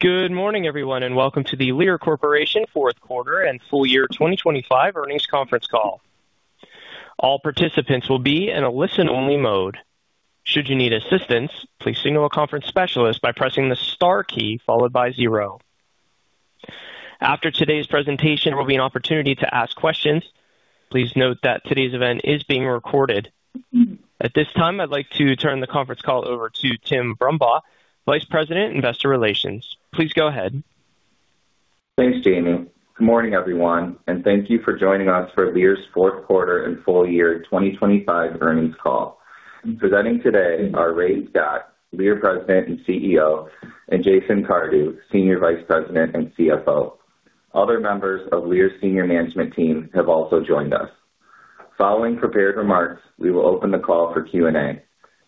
Good morning, everyone, and welcome to the Lear Corporation Fourth Quarter and Full-Year 2025 Earnings Conference Call. All participants will be in a listen-only mode. Should you need assistance, please signal a conference specialist by pressing the star key followed by zero. After today's presentation, there will be an opportunity to ask questions. Please note that today's event is being recorded. At this time, I'd like to turn the conference call over to Tim Brumbaugh, Vice President, Investor Relations. Please go ahead. Thanks, Jamie. Good morning, everyone, and thank you for joining us for Lear's fourth quarter and full-year 2025 earnings call. Presenting today are Ray Scott, Lear President and CEO, and Jason Cardew, Senior Vice President and CFO. Other members of Lear's senior management team have also joined us. Following prepared remarks, we will open the call for Q&A.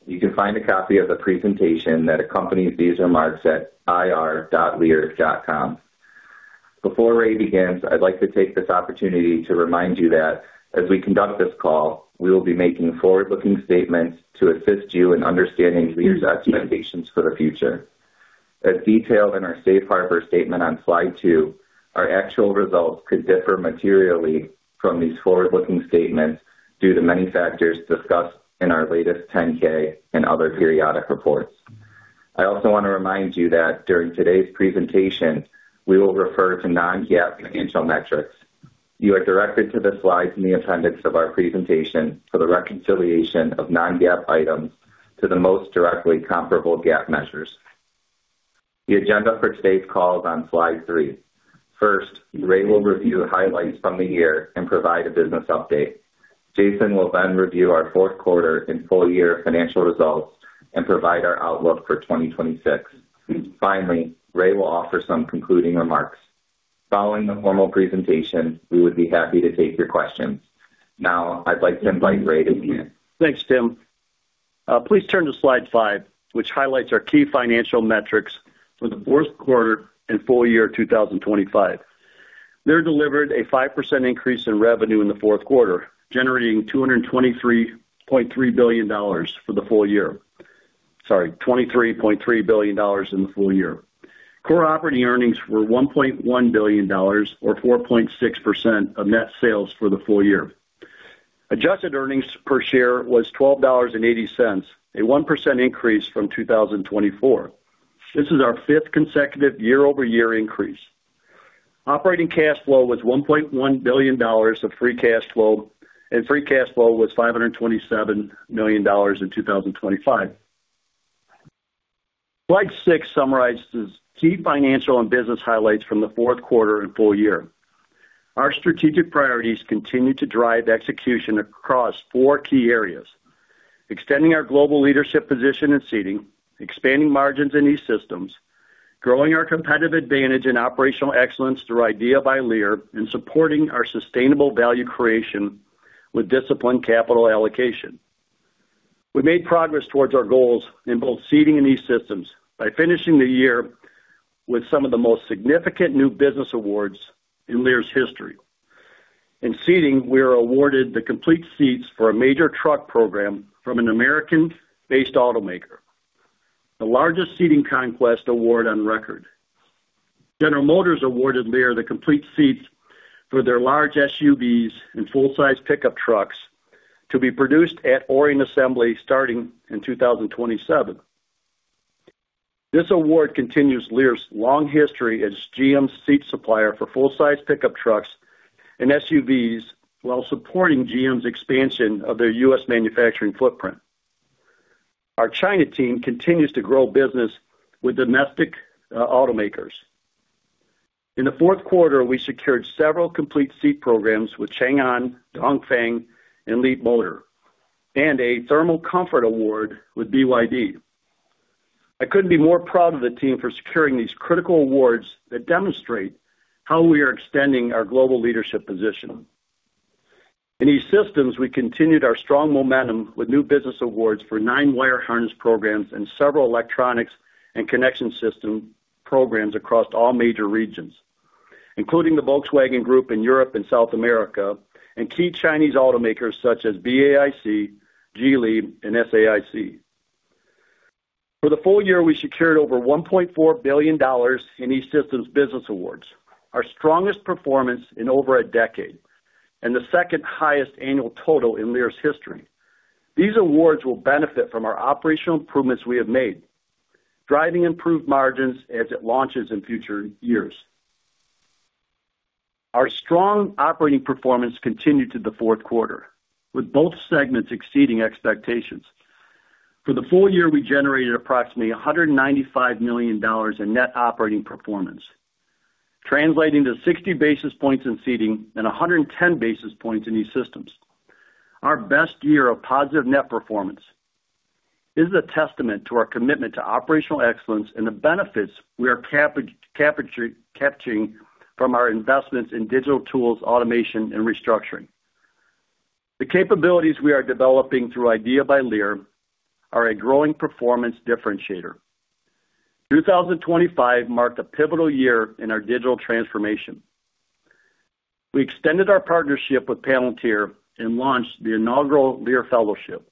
You can find a copy of the presentation that accompanies these remarks at ir.lear.com. Before Ray begins, I'd like to take this opportunity to remind you that as we conduct this call, we will be making forward-looking statements to assist you in understanding Lear's expectations for the future. As detailed in our safe harbor statement on slide two, our actual results could differ materially from these forward-looking statements due to many factors discussed in our latest 10-K and other periodic reports. I also want to remind you that during today's presentation, we will refer to non-GAAP financial metrics. You are directed to the slides in the appendix of our presentation for the reconciliation of non-GAAP items to the most directly comparable GAAP measures. The agenda for today's call is on slide 3. First, Ray will review highlights from the year and provide a business update. Jason will then review our fourth quarter and full-year financial results and provide our outlook for 2026. Finally, Ray will offer some concluding remarks. Following the formal presentation, we would be happy to take your questions. Now I'd like to invite Ray to begin. Thanks, Tim. Please turn to slide five, which highlights our key financial metrics for the fourth quarter and full-year 2025. Lear delivered a 5% increase in revenue in the fourth quarter, generating $223.3 billion for the full year. Sorry, $23.3 billion in the full year. Core operating earnings were $1.1 billion, or 4.6% of net sales for the full year. Adjusted earnings per share was $12.80, a 1% increase from 2024. This is our fifth consecutive year-over-year increase. Operating cash flow was $1.1 billion of free cash flow, and free cash flow was $527 million in 2025. Slide six summarizes key financial and business highlights from the fourth quarter and full year. Our strategic priorities continue to drive execution across four key areas, extending our global leadership position in Seating, expanding margins in E-Systems, growing our competitive advantage in operational excellence through IDEA by Lear, and supporting our sustainable value creation with disciplined capital allocation. We made progress towards our goals in both Seating and E-Systems by finishing the year with some of the most significant new business awards in Lear's history. In Seating, we are awarded the complete seats for a major truck program from an American-based automaker, the largest Seating conquest award on record. General Motors awarded Lear the complete seats for their large SUVs and full-size pickup trucks to be produced at Orion Assembly starting in 2027. This award continues Lear's long history as GM's seat supplier for full-size pickup trucks and SUVs, while supporting GM's expansion of their U.S. manufacturing footprint. Our China team continues to grow business with domestic automakers. In the fourth quarter, we secured several complete seat programs with Changan, Dongfeng, and Leapmotor, and a Thermal Comfort Award with BYD. I couldn't be more proud of the team for securing these critical awards that demonstrate how we are extending our global leadership position. In E-Systems, we continued our strong momentum with new business awards for nine wire harness programs and several electronics and connection system programs across all major regions, including the Volkswagen Group in Europe and South America, and key Chinese automakers such as BAIC, Geely and SAIC. For the full year, we secured over $1.4 billion in E-Systems business awards, our strongest performance in over a decade and the second highest annual total in Lear's history. These awards will benefit from our operational improvements we have made, driving improved margins as it launches in future years. Our strong operating performance continued to the fourth quarter, with both segments exceeding expectations. For the full year, we generated approximately $195 million in net operating performance, translating to 60 basis points in Seating and 110 basis points in E-Systems. Our best year of positive net performance is a testament to our commitment to operational excellence and the benefits we are capturing from our investments in digital tools, automation and restructuring. The capabilities we are developing through IDEA by Lear are a growing performance differentiator. 2025 marked a pivotal year in our digital transformation. We extended our partnership with Palantir and launched the inaugural Lear Fellowship,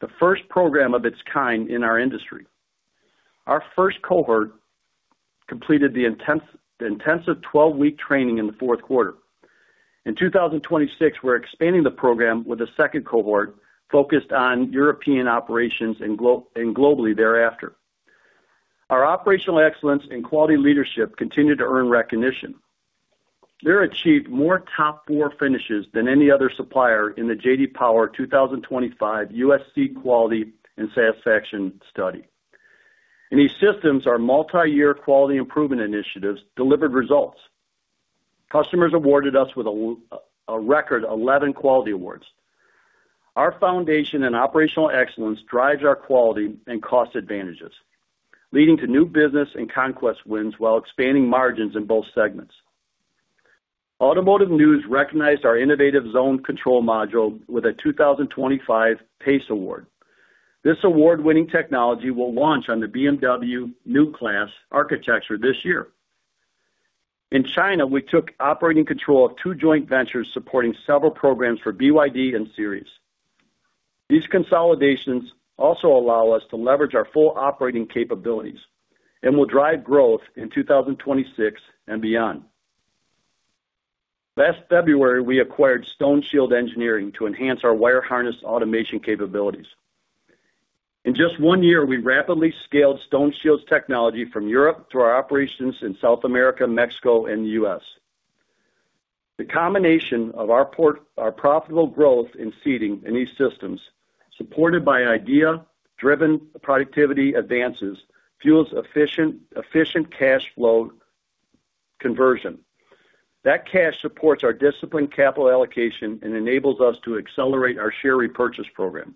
the first program of its kind in our industry. Our first cohort completed the intensive 12-week training in the fourth quarter. In 2026, we're expanding the program with a second cohort focused on European operations and globally thereafter. Our operational excellence and quality leadership continued to earn recognition. Lear achieved more top four finishes than any other supplier in the JD Power 2025 U.S. Quality and Satisfaction Study. In these systems, our multi-year quality improvement initiatives delivered results. Customers awarded us with a record 11 quality awards. Our foundation and operational excellence drives our quality and cost advantages, leading to new business and conquest wins while expanding margins in both segments. Automotive News recognized our innovative Zone Control Module with a 2025 PACE Award. This award-winning technology will launch on the BMW new class architecture this year. In China, we took operating control of two joint ventures supporting several programs for BYD and Seres. These consolidations also allow us to leverage our full operating capabilities and will drive growth in 2026 and beyond. Last February, we acquired StoneShield Engineering to enhance our wire harness automation capabilities. In just one year, we rapidly scaled StoneShield's technology from Europe to our operations in South America, Mexico and the U.S. The combination of our profitable growth in Seating and E-Systems, supported by IDEA-driven productivity advances, fuels efficient cash flow conversion. That cash supports our disciplined capital allocation and enables us to accelerate our share repurchase program.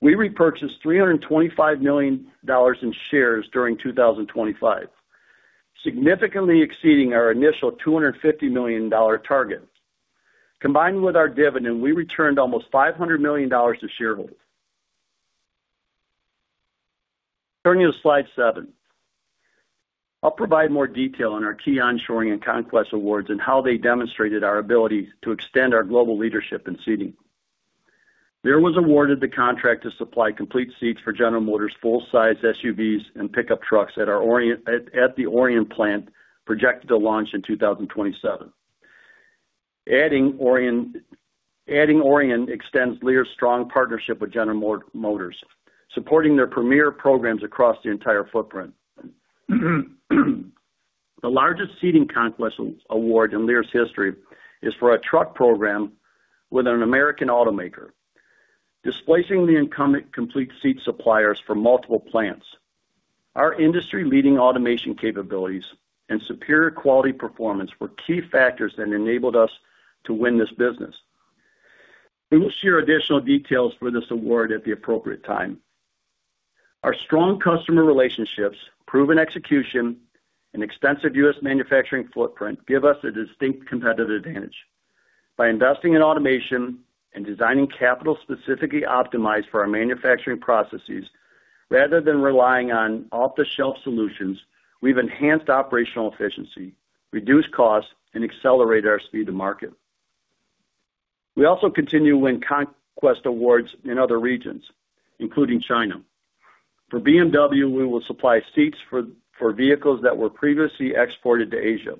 We repurchased $325 million in shares during 2025, significantly exceeding our initial $250 million target. Combined with our dividend, we returned almost $500 million to shareholders. Turning to slide seven. I'll provide more detail on our key onshoring and conquest awards and how they demonstrated our ability to extend our global leadership in Seating. Lear was awarded the contract to supply complete seats for General Motors' full-size SUVs and pickup trucks at our Orion plant, projected to launch in 2027. Adding Orion extends Lear's strong partnership with General Motors, supporting their premier programs across the entire footprint. The largest seating conquest award in Lear's history is for a truck program with an American automaker, displacing the incumbent complete seat suppliers for multiple plants. Our industry-leading automation capabilities and superior quality performance were key factors that enabled us to win this business. We will share additional details for this award at the appropriate time. Our strong customer relationships, proven execution, and extensive U.S. manufacturing footprint give us a distinct competitive advantage. By investing in automation and designing capital specifically optimized for our manufacturing processes, rather than relying on off-the-shelf solutions, we've enhanced operational efficiency, reduced costs, and accelerated our speed to market. We also continue to win conquest awards in other regions, including China. For BMW, we will supply seats for vehicles that were previously exported to Asia.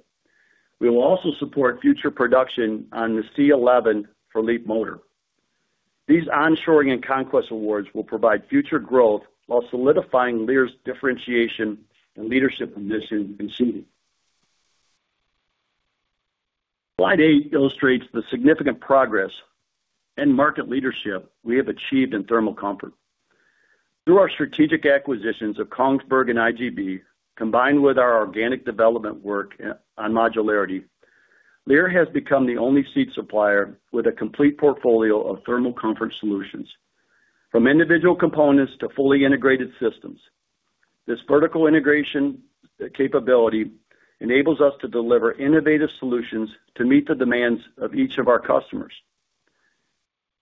We will also support future production on the C11 for Leapmotor. These onshoring and conquest awards will provide future growth while solidifying Lear's differentiation and leadership position in seating. Slide eight illustrates the significant progress and market leadership we have achieved in thermal comfort. Through our strategic acquisitions of Kongsberg and IGB, combined with our organic development work on modularity, Lear has become the only seat supplier with a complete portfolio of thermal comfort solutions, from individual components to fully integrated systems. This vertical integration capability enables us to deliver innovative solutions to meet the demands of each of our customers.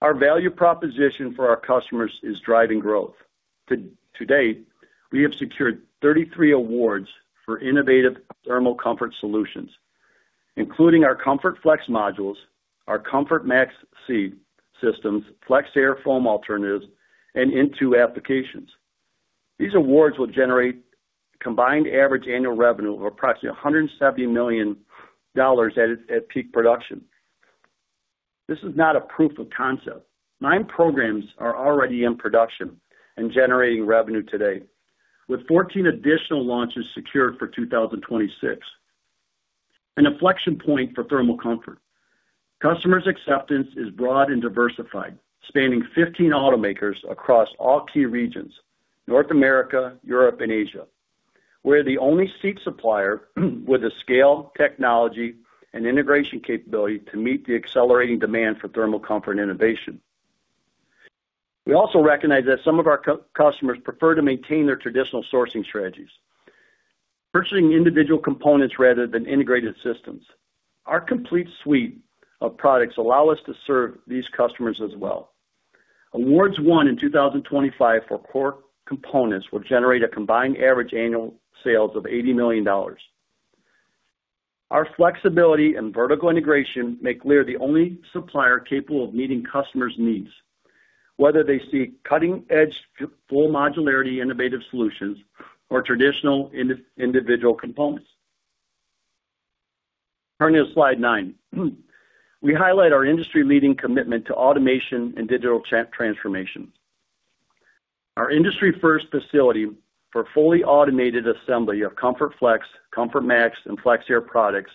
Our value proposition for our customers is driving growth. To date, we have secured 33 awards for innovative thermal comfort solutions, including our ComfortFlex modules, our ComfortMax seat systems, FlexAir foam alternatives, and INTU applications. These awards will generate combined average annual revenue of approximately $170 million at peak production. This is not a proof of concept. Nine programs are already in production and generating revenue today, with 14 additional launches secured for 2026, an inflection point for thermal comfort. Customers' acceptance is broad and diversified, spanning 15 automakers across all key regions, North America, Europe, and Asia. We're the only seat supplier with the scale, technology, and integration capability to meet the accelerating demand for thermal comfort and innovation. We also recognize that some of our customers prefer to maintain their traditional sourcing strategies, purchasing individual components rather than integrated systems. Our complete suite of products allow us to serve these customers as well. Awards won in 2025 for core components will generate a combined average annual sales of $80 million. Our flexibility and vertical integration make Lear the only supplier capable of meeting customers' needs, whether they seek cutting-edge, full modularity, innovative solutions, or traditional individual components. Turning to slide nine. We highlight our industry-leading commitment to automation and digital transformation. Our industry-first facility for fully automated assembly of ComfortFlex, ComfortMax and FlexAir products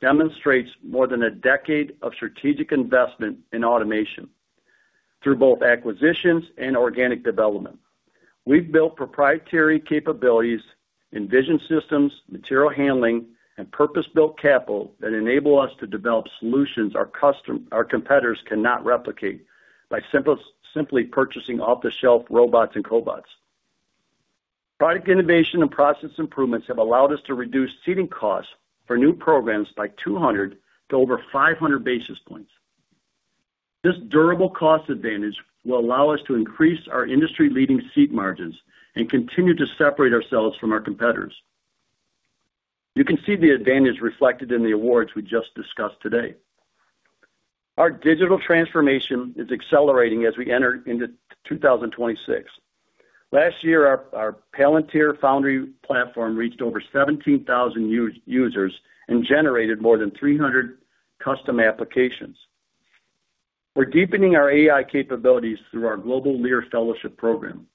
demonstrates more than a decade of strategic investment in automation through both acquisitions and organic development. We've built proprietary capabilities in vision systems, material handling, and purpose-built capital that enable us to develop solutions our competitors cannot replicate by simply purchasing off-the-shelf robots and cobots. Product innovation and process improvements have allowed us to reduce seating costs for new programs by 200 to over 500 basis points. This durable cost advantage will allow us to increase our industry-leading seat margins and continue to separate ourselves from our competitors. You can see the advantage reflected in the awards we just discussed today. Our digital transformation is accelerating as we enter into 2026. Last year, our Palantir Foundry platform reached over 17,000 users and generated more than 300 custom applications. We're deepening our AI capabilities through our Global Lear Fellowship program,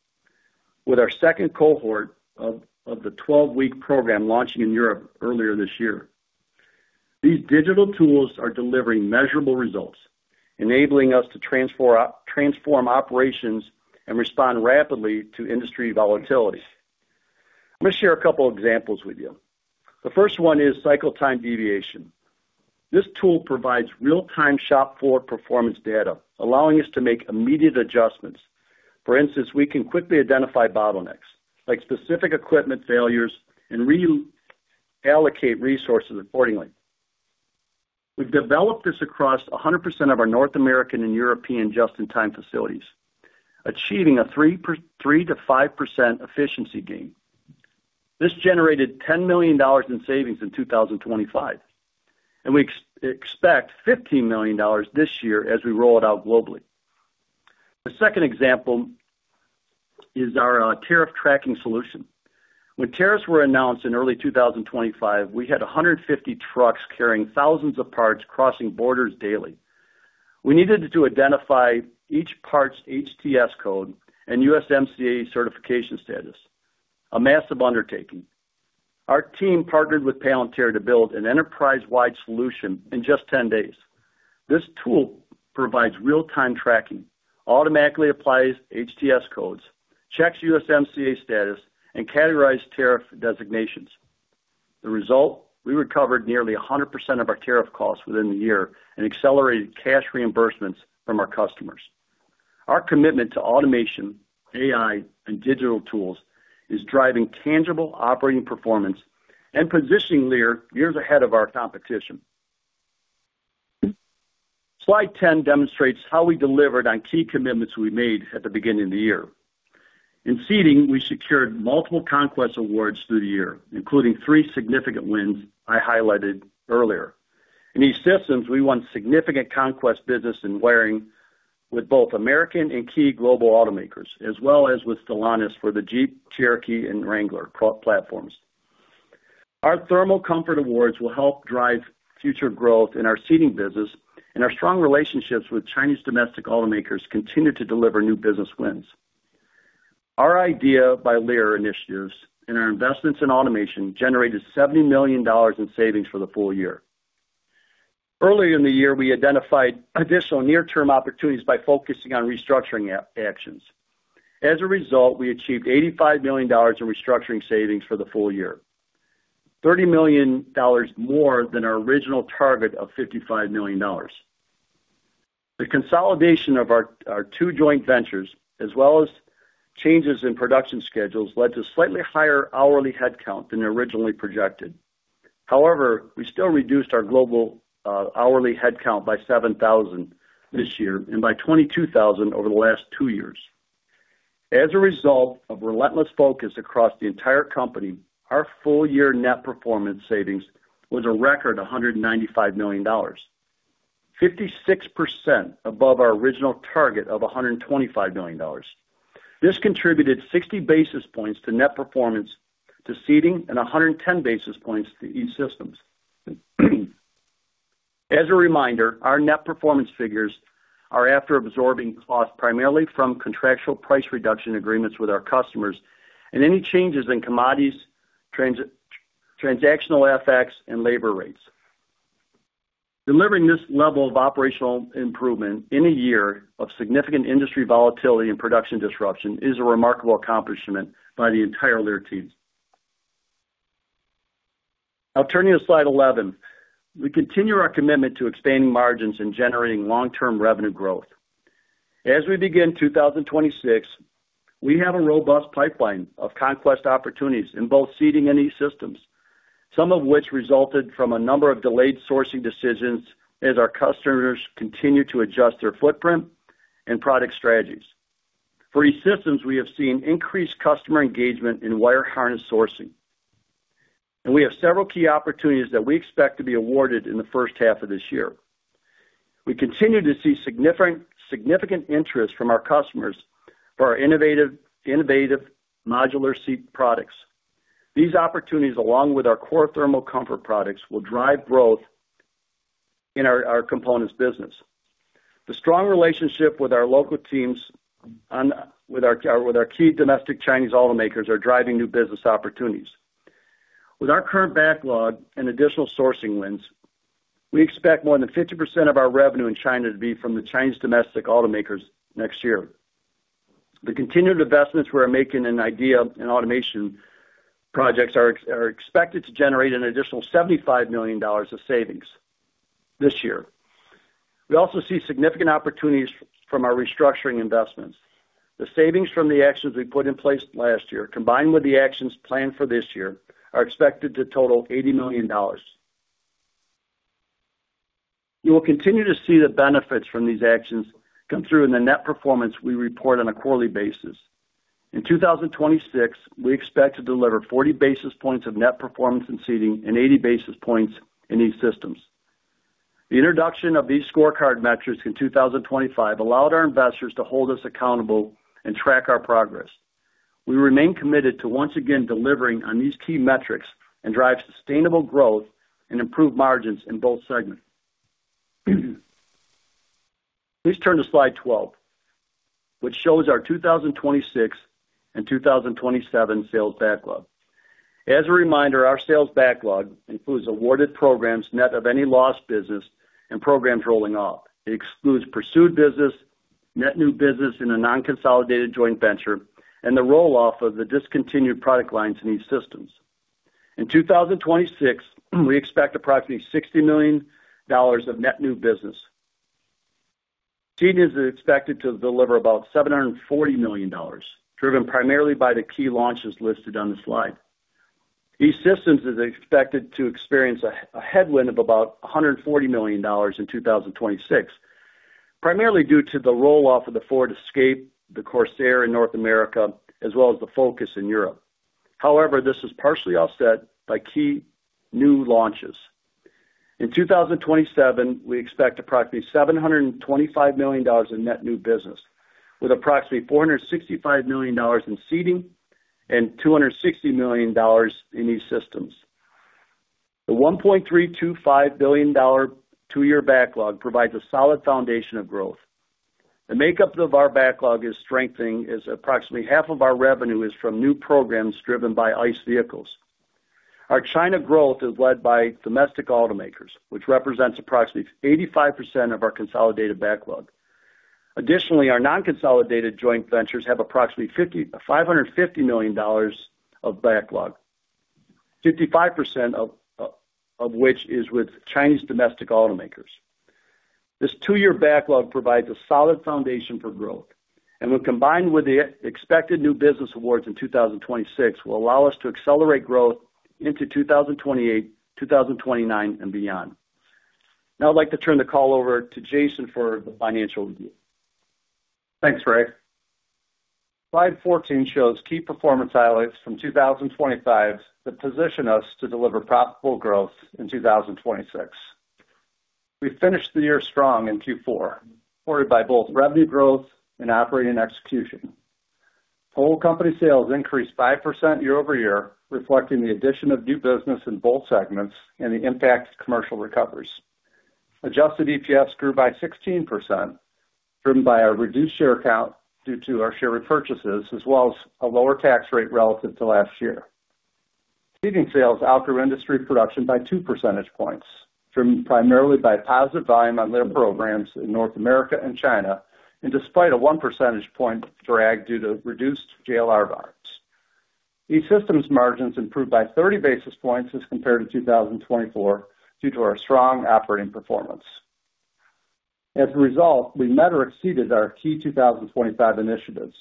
with our second cohort of the 12-week program launching in Europe earlier this year. These digital tools are delivering measurable results, enabling us to transform operations and respond rapidly to industry volatility. I'm gonna share a couple examples with you. The first one is cycle time deviation. This tool provides real-time shop floor performance data, allowing us to make immediate adjustments. For instance, we can quickly identify bottlenecks, like specific equipment failures, and reallocate resources accordingly. We've developed this across 100% of our North American and European just-in-time facilities, achieving a 3%-5% efficiency gain. This generated $10 million in savings in 2025, and we expect $15 million this year as we roll it out globally. The second example is our tariff tracking solution. When tariffs were announced in early 2025, we had 150 trucks carrying thousands of parts, crossing borders daily. We needed to identify each part's HTS code and USMCA certification status, a massive undertaking. Our team partnered with Palantir to build an enterprise-wide solution in just 10 days. This tool provides real-time tracking, automatically applies HTS codes, checks USMCA status, and categorizes tariff designations. The result, we recovered nearly 100% of our tariff costs within the year and accelerated cash reimbursements from our customers. Our commitment to automation, AI, and digital tools is driving tangible operating performance and positioning Lear years ahead of our competition. Slide 10 demonstrates how we delivered on key commitments we made at the beginning of the year. In seating, we secured multiple conquest awards through the year, including three significant wins I highlighted earlier. In E-Systems, we won significant conquest business in wiring with both American and key global automakers, as well as with Stellantis for the Jeep Cherokee and Wrangler platforms. Our Thermal Comfort Awards will help drive future growth in our Seating business, and our strong relationships with Chinese domestic automakers continue to deliver new business wins. Our IDEA by Lear initiatives and our investments in automation generated $70 million in savings for the full year. Earlier in the year, we identified additional near-term opportunities by focusing on restructuring actions. As a result, we achieved $85 million in restructuring savings for the full year, $30 million more than our original target of $55 million. The consolidation of our our two joint ventures, as well as changes in production schedules, led to slightly higher hourly headcount than originally projected. However, we still reduced our global hourly headcount by 7,000 this year and by 22,000 over the last two years. As a result of relentless focus across the entire company, our full-year net performance savings was a record, $195 million, 56% above our original target of $125 million. This contributed 60 basis points to net performance to Seating and 110 basis points to E-Systems. As a reminder, our net performance figures are after absorbing costs, primarily from contractual price reduction agreements with our customers and any changes in commodities, transactional effects and labor rates. Delivering this level of operational improvement in a year of significant industry volatility and production disruption is a remarkable accomplishment by the entire Lear team. I'll turn to slide 11. We continue our commitment to expanding margins and generating long-term revenue growth. As we begin 2026, we have a robust pipeline of conquest opportunities in both seating and E-Systems, some of which resulted from a number of delayed sourcing decisions as our customers continue to adjust their footprint and product strategies. For E-Systems, we have seen increased customer engagement in wire harness sourcing, and we have several key opportunities that we expect to be awarded in the first half of this year. We continue to see significant interest from our customers for our innovative modular seat products. These opportunities, along with our core thermal comfort products, will drive growth in our components business. The strong relationship with our local teams with our key domestic Chinese automakers are driving new business opportunities. With our current backlog and additional sourcing wins, we expect more than 50% of our revenue in China to be from the Chinese domestic automakers next year. The continued investments we're making in IDEA and automation projects are expected to generate an additional $75 million of savings this year. We also see significant opportunities from our restructuring investments. The savings from the actions we put in place last year, combined with the actions planned for this year, are expected to total $80 million. You will continue to see the benefits from these actions come through in the net performance we report on a quarterly basis. In 2026, we expect to deliver 40 basis points of net performance in Seating and 80 basis points in E-Systems. The introduction of these scorecard metrics in 2025 allowed our investors to hold us accountable and track our progress. We remain committed to once again delivering on these key metrics and drive sustainable growth and improve margins in both segments. Please turn to slide 12, which shows our 2026 and 2027 sales backlog. As a reminder, our sales backlog includes awarded programs, net of any lost business and programs rolling off. It excludes pursued business, net new business in a non-consolidated joint venture, and the roll-off of the discontinued product lines in E-Systems. In 2026, we expect approximately $60 million of net new business. Seating is expected to deliver about $740 million, driven primarily by the key launches listed on the slide. E-Systems is expected to experience a headwind of about $140 million in 2026, primarily due to the roll-off of the Ford Escape, the Corsair in North America, as well as the Focus in Europe. However, this is partially offset by key new launches. In 2027, we expect approximately $725 million in net new business, with approximately $465 million in seating and $260 million in E-Systems. The $1.325 billion two-year backlog provides a solid foundation of growth. The makeup of our backlog is strengthening, as approximately half of our revenue is from new programs driven by ICE vehicles. Our China growth is led by domestic automakers, which represents approximately 85% of our consolidated backlog. Additionally, our non-consolidated joint ventures have approximately $5.55 billion of backlog, 55% of which is with Chinese domestic automakers. This two-year backlog provides a solid foundation for growth, and when combined with the expected new business awards in 2026, will allow us to accelerate growth into 2028, 2029, and beyond. Now, I'd like to turn the call over to Jason for the financial review. Thanks, Ray. Slide 14 shows key performance highlights from 2025 that position us to deliver profitable growth in 2026. We finished the year strong in Q4, supported by both revenue growth and operating execution. Whole company sales increased 5% year-over-year, reflecting the addition of new business in both segments and the impact of commercial recoveries. Adjusted EPS grew by 16%, driven by our reduced share count due to our share repurchases, as well as a lower tax rate relative to last year. Seating sales outgrew industry production by 2 percentage points, driven primarily by positive volume on linear programs in North America and China, and despite a 1 percentage point drag due to reduced JLR volumes. E-Systems margins improved by 30 basis points as compared to 2024, due to our strong operating performance. As a result, we met or exceeded our key 2025 initiatives.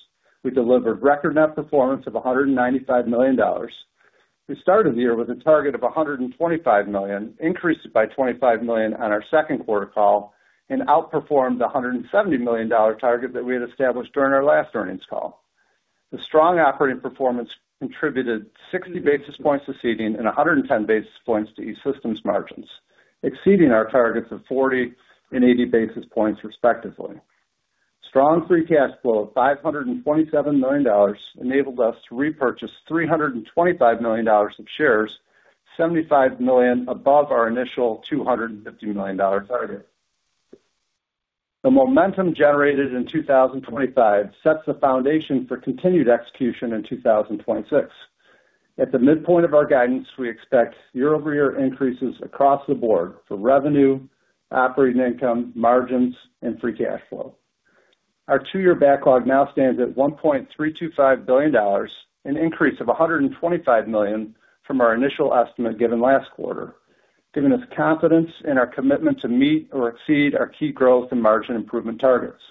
We delivered record net performance of $195 million. We started the year with a target of $125 million, increased it by $25 million on our second quarter call, and outperformed the $170 million target that we had established during our last earnings call. The strong operating performance contributed 60 basis points to Seating and 110 basis points to E-Systems margins, exceeding our targets of 40 and 80 basis points, respectively. Strong free cash flow of $527 million enabled us to repurchase $325 million of shares, $75 million above our initial $250 million target. The momentum generated in 2025 sets the foundation for continued execution in 2026. At the midpoint of our guidance, we expect year-over-year increases across the board for revenue, operating income, margins, and free cash flow. Our two-year backlog now stands at $1.325 billion, an increase of $125 million from our initial estimate given last quarter, giving us confidence in our commitment to meet or exceed our key growth and margin improvement targets.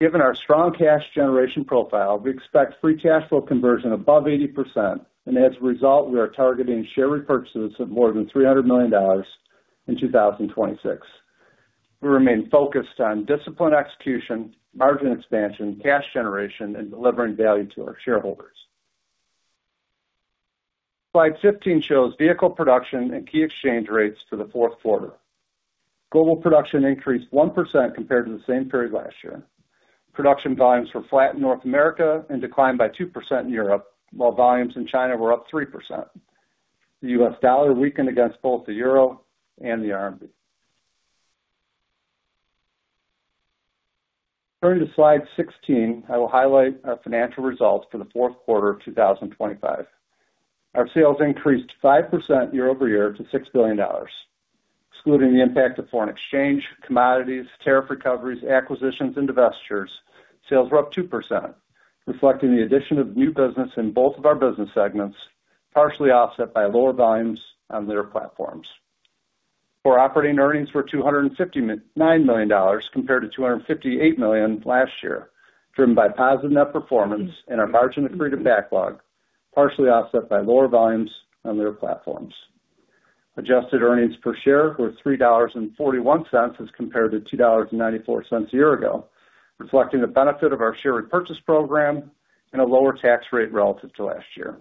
Given our strong cash generation profile, we expect free cash flow conversion above 80%, and as a result, we are targeting share repurchases of more than $300 million in 2026. We remain focused on disciplined execution, margin expansion, cash generation, and delivering value to our shareholders. Slide 15 shows vehicle production and key exchange rates for the fourth quarter. Global production increased 1% compared to the same period last year. Production volumes were flat in North America and declined by 2% in Europe, while volumes in China were up 3%. The U.S. dollar weakened against both the euro and the RMB. Turning to slide 16, I will highlight our financial results for the fourth quarter of 2025. Our sales increased 5% year-over-year to $6 billion. Excluding the impact of foreign exchange, commodities, tariff recoveries, acquisitions, and divestitures, sales were up 2%, reflecting the addition of new business in both of our business segments, partially offset by lower volumes on their platforms. Our operating earnings were $259 million compared to $258 million last year, driven by positive net performance and our margin-accretive backlog, partially offset by lower volumes on their platforms. Adjusted earnings per share were $3.41 as compared to $2.94 a year ago, reflecting the benefit of our share repurchase program and a lower tax rate relative to last year.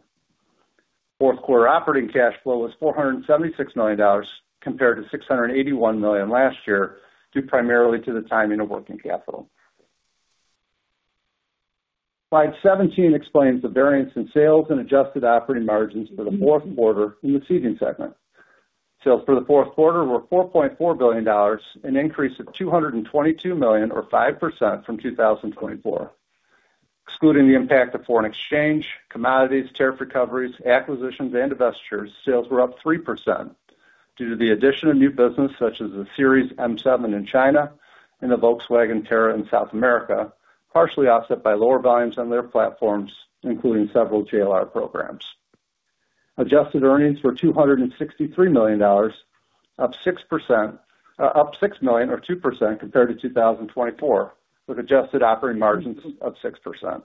Fourth quarter operating cash flow was $476 million compared to $681 million last year, due primarily to the timing of working capital. Slide 17 explains the variance in sales and adjusted operating margins for the fourth quarter in the Seating segment. Sales for the fourth quarter were $4.4 billion, an increase of $222 million, or 5% from 2024. Excluding the impact of foreign exchange, commodities, tariff recoveries, acquisitions, and divestitures, sales were up 3% due to the addition of new business, such as the Seres M7 in China and the Volkswagen Tera in South America, partially offset by lower volumes on their platforms, including several JLR programs. Adjusted earnings were $263 million, up 6%, up 6 million or 2% compared to 2024, with adjusted operating margins of 6%.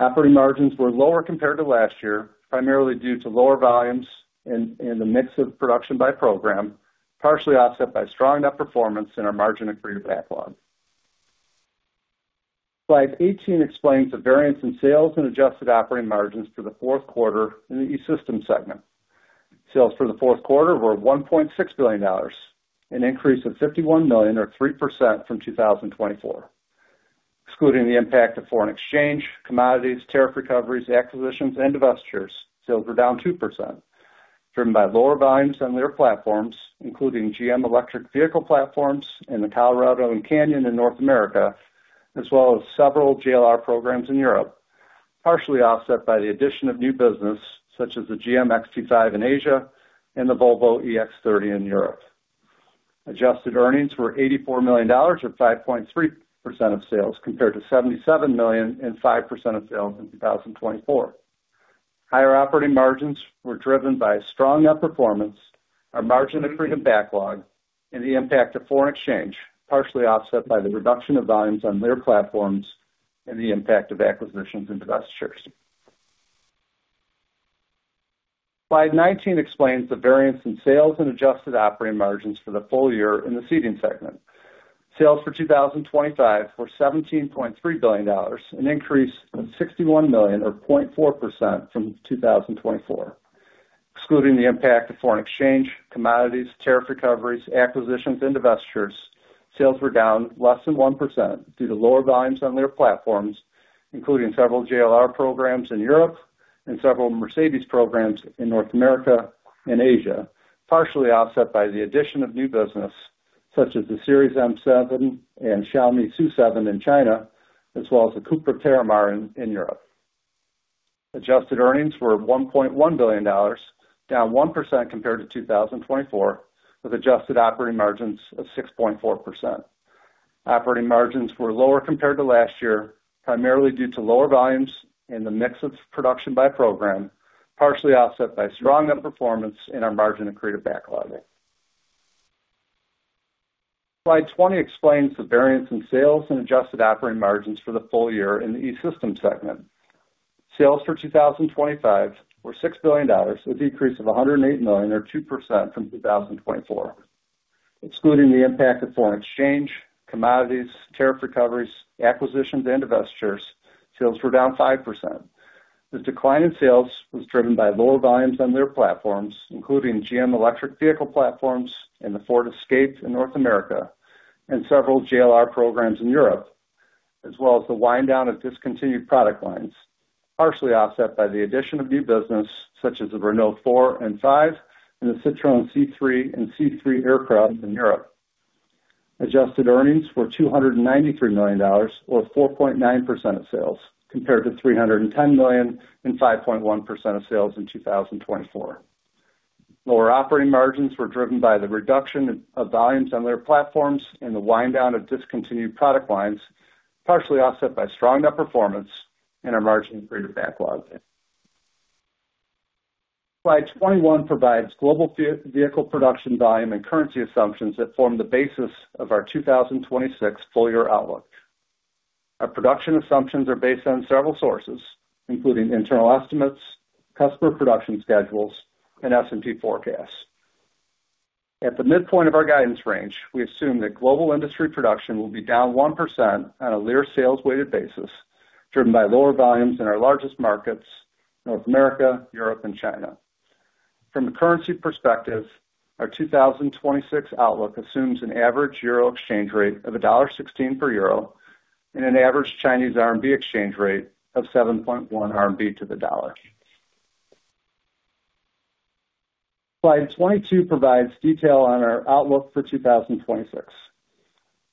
Operating margins were lower compared to last year, primarily due to lower volumes and the mix of production by program, partially offset by strong net performance and our margin-accretive backlog. Slide 18 explains the variance in sales and adjusted operating margins for the fourth quarter in the E-Systems segment. Sales for the fourth quarter were $1.6 billion, an increase of $51 million, or 3% from 2024. Excluding the impact of foreign exchange, commodities, tariff recoveries, acquisitions, and divestitures, sales were down 2%, driven by lower volumes on their platforms, including GM electric vehicle platforms and the Colorado and Canyon in North America, as well as several JLR programs in Europe, partially offset by the addition of new business such as the GM XT5 in Asia and the Volvo EX30 in Europe. Adjusted earnings were $84 million, or 5.3% of sales, compared to $77 million and 5% of sales in 2024. Higher operating margins were driven by strong net performance, our margin-accretive backlog, and the impact of foreign exchange, partially offset by the reduction of volumes on their platforms and the impact of acquisitions and divestitures. Slide 19 explains the variance in sales and adjusted operating margins for the full year in the Seating segment. Sales for 2025 were $17.3 billion, an increase of $61 million, or 0.4% from 2024. Excluding the impact of foreign exchange, commodities, tariff recoveries, acquisitions, and divestitures, sales were down less than 1% due to lower volumes on their platforms, including several JLR programs in Europe and several Mercedes programs in North America and Asia, partially offset by the addition of new business such as the Seres M7 and Xiaomi SU7 in China, as well as the CUPRA Terramar in Europe. Adjusted earnings were $1.1 billion, down 1% compared to 2024, with adjusted operating margins of 6.4%. Operating margins were lower compared to last year, primarily due to lower volumes in the mix of production by program, partially offset by strong net performance and our margin-accretive backlog. Slide 20 explains the variance in sales and adjusted operating margins for the full year in the E-Systems segment. Sales for 2025 were $6 billion, a decrease of $108 million, or 2% from 2024. Excluding the impact of foreign exchange, commodities, tariff recoveries, acquisitions, and divestitures, sales were down 5%. The decline in sales was driven by lower volumes on their platforms, including GM electric vehicle platforms and the Ford Escape in North America and several JLR programs in Europe, as well as the wind down of discontinued product lines, partially offset by the addition of new business such as the Renault 4 and 5 and the Citroën C3 and C3 Aircross in Europe. Adjusted earnings were $293 million, or 4.9% of sales, compared to $310 million and 5.1% of sales in 2024. Lower operating margins were driven by the reduction of volumes on their platforms and the wind down of discontinued product lines, partially offset by strong net performance and our margin-accretive backlog. Slide 21 provides global vehicle production volume and currency assumptions that form the basis of our 2026 full-year outlook. Our production assumptions are based on several sources, including internal estimates, customer production schedules, and S&P forecasts. At the midpoint of our guidance range, we assume that global industry production will be down 1% on a Lear sales-weighted basis, driven by lower volumes in our largest markets, North America, Europe, and China. From a currency perspective, our 2026 outlook assumes an average euro exchange rate of $1.16 per euro and an average Chinese RMB exchange rate of 7.1 RMB to the dollar. Slide 22 provides detail on our outlook for 2026.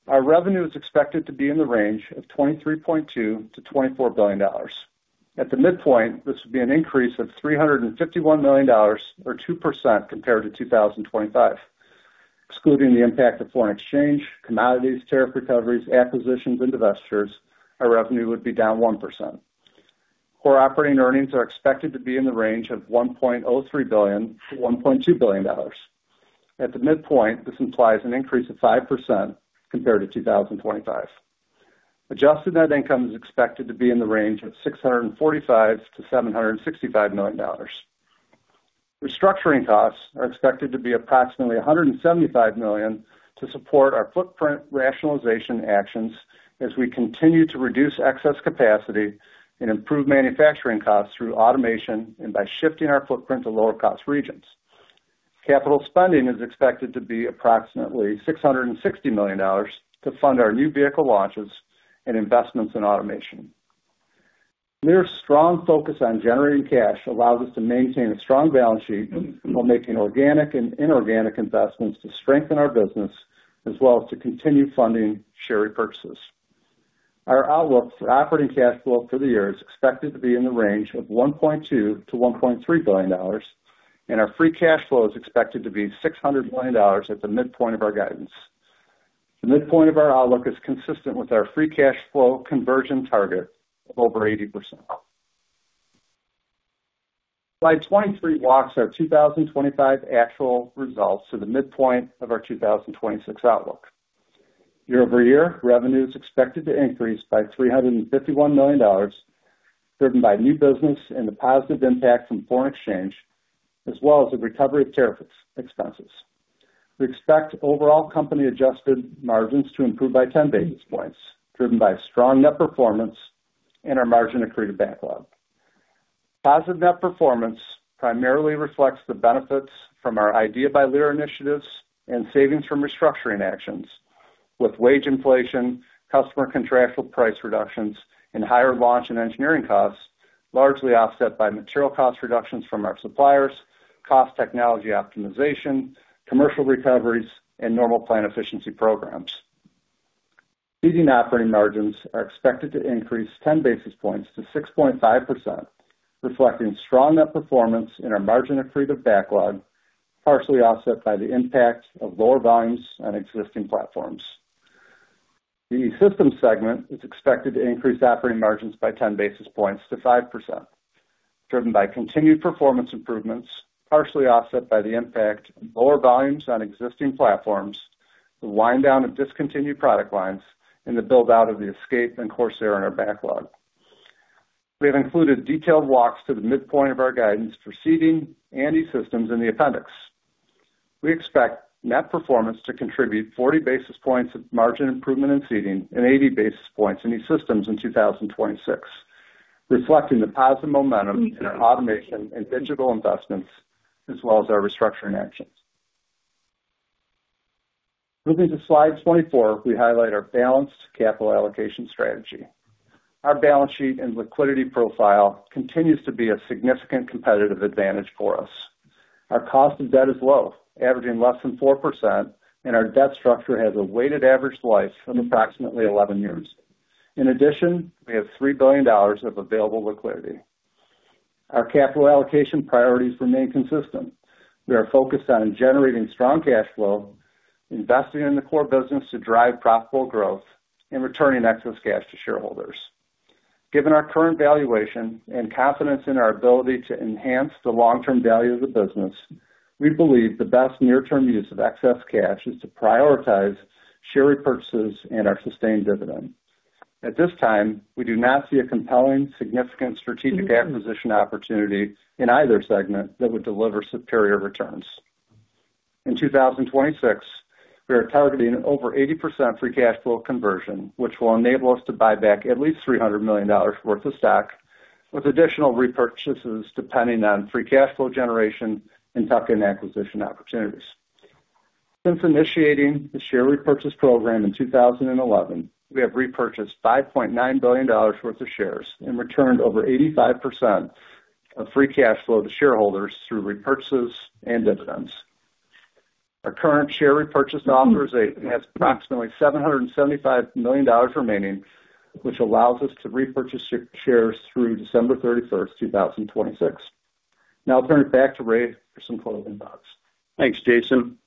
Our revenue is expected to be in the range of $23.2 billion-$24 billion. At the midpoint, this would be an increase of $351 million or 2% compared to 2025. Excluding the impact of foreign exchange, commodities, tariff recoveries, acquisitions, and divestitures, our revenue would be down 1%. Core operating earnings are expected to be in the range of $1.03 billion-$1.2 billion. At the midpoint, this implies an increase of 5% compared to 2025. Adjusted net income is expected to be in the range of $645 million-$765 million. Restructuring costs are expected to be approximately $175 million to support our footprint rationalization actions as we continue to reduce excess capacity and improve manufacturing costs through automation and by shifting our footprint to lower cost regions. Capital spending is expected to be approximately $660 million to fund our new vehicle launches and investments in automation. Lear's strong focus on generating cash allows us to maintain a strong balance sheet while making organic and inorganic investments to strengthen our business, as well as to continue funding share repurchases. Our outlook for operating cash flow for the year is expected to be in the range of $1.2 billion-$1.3 billion, and our free cash flow is expected to be $600 million at the midpoint of our guidance. The midpoint of our outlook is consistent with our free cash flow conversion target of over 80%. Slide 23 walks our 2025 actual results to the midpoint of our 2026 outlook. Year-over-year, revenue is expected to increase by $351 million, driven by new business and the positive impact from foreign exchange, as well as the recovery of tariff expenses. We expect overall company-adjusted margins to improve by 10 basis points, driven by strong net performance and our margin accretive backlog. Positive net performance primarily reflects the benefits from our IDEA by Lear initiatives and savings from restructuring actions, with wage inflation, customer contractual price reductions, and higher launch and engineering costs, largely offset by material cost reductions from our suppliers, cost technology optimization, commercial recoveries, and normal plan efficiency programs. Seating operating margins are expected to increase 10 basis points to 6.5%, reflecting strong net performance in our margin accretive backlog, partially offset by the impact of lower volumes on existing platforms. The E-Systems segment is expected to increase operating margins by 10 basis points to 5%, driven by continued performance improvements, partially offset by the impact of lower volumes on existing platforms, the wind down of discontinued product lines, and the build-out of the Escape and Corsair in our backlog. We have included detailed walks to the midpoint of our guidance for Seating and E-Systems in the appendix. We expect net performance to contribute 40 basis points of margin improvement in Seating and 80 basis points in E-Systems in 2026, reflecting the positive momentum in our automation and digital investments, as well as our restructuring actions. Moving to slide 24, we highlight our balanced capital allocation strategy. Our balance sheet and liquidity profile continues to be a significant competitive advantage for us. Our cost of debt is low, averaging less than 4%, and our debt structure has a weighted average life of approximately 11 years. In addition, we have $3 billion of available liquidity. Our capital allocation priorities remain consistent. We are focused on generating strong cash flow, investing in the core business to drive profitable growth, and returning excess cash to shareholders. Given our current valuation and confidence in our ability to enhance the long-term value of the business, we believe the best near-term use of excess cash is to prioritize share repurchases and our sustained dividend. At this time, we do not see a compelling, significant strategic acquisition opportunity in either segment that would deliver superior returns. In 2026, we are targeting over 80% free cash flow conversion, which will enable us to buy back at least $300 million worth of stock, with additional repurchases depending on free cash flow generation and tuck-in acquisition opportunities. Since initiating the share repurchase program in 2011, we have repurchased $5.9 billion worth of shares and returned over 85% of free cash flow to shareholders through repurchases and dividends. Our current share repurchase authorization has approximately $775 million remaining, which allows us to repurchase shares through December 31, 2026. Now, I'll turn it back to Ray for some closing thoughts. Thanks, Jason.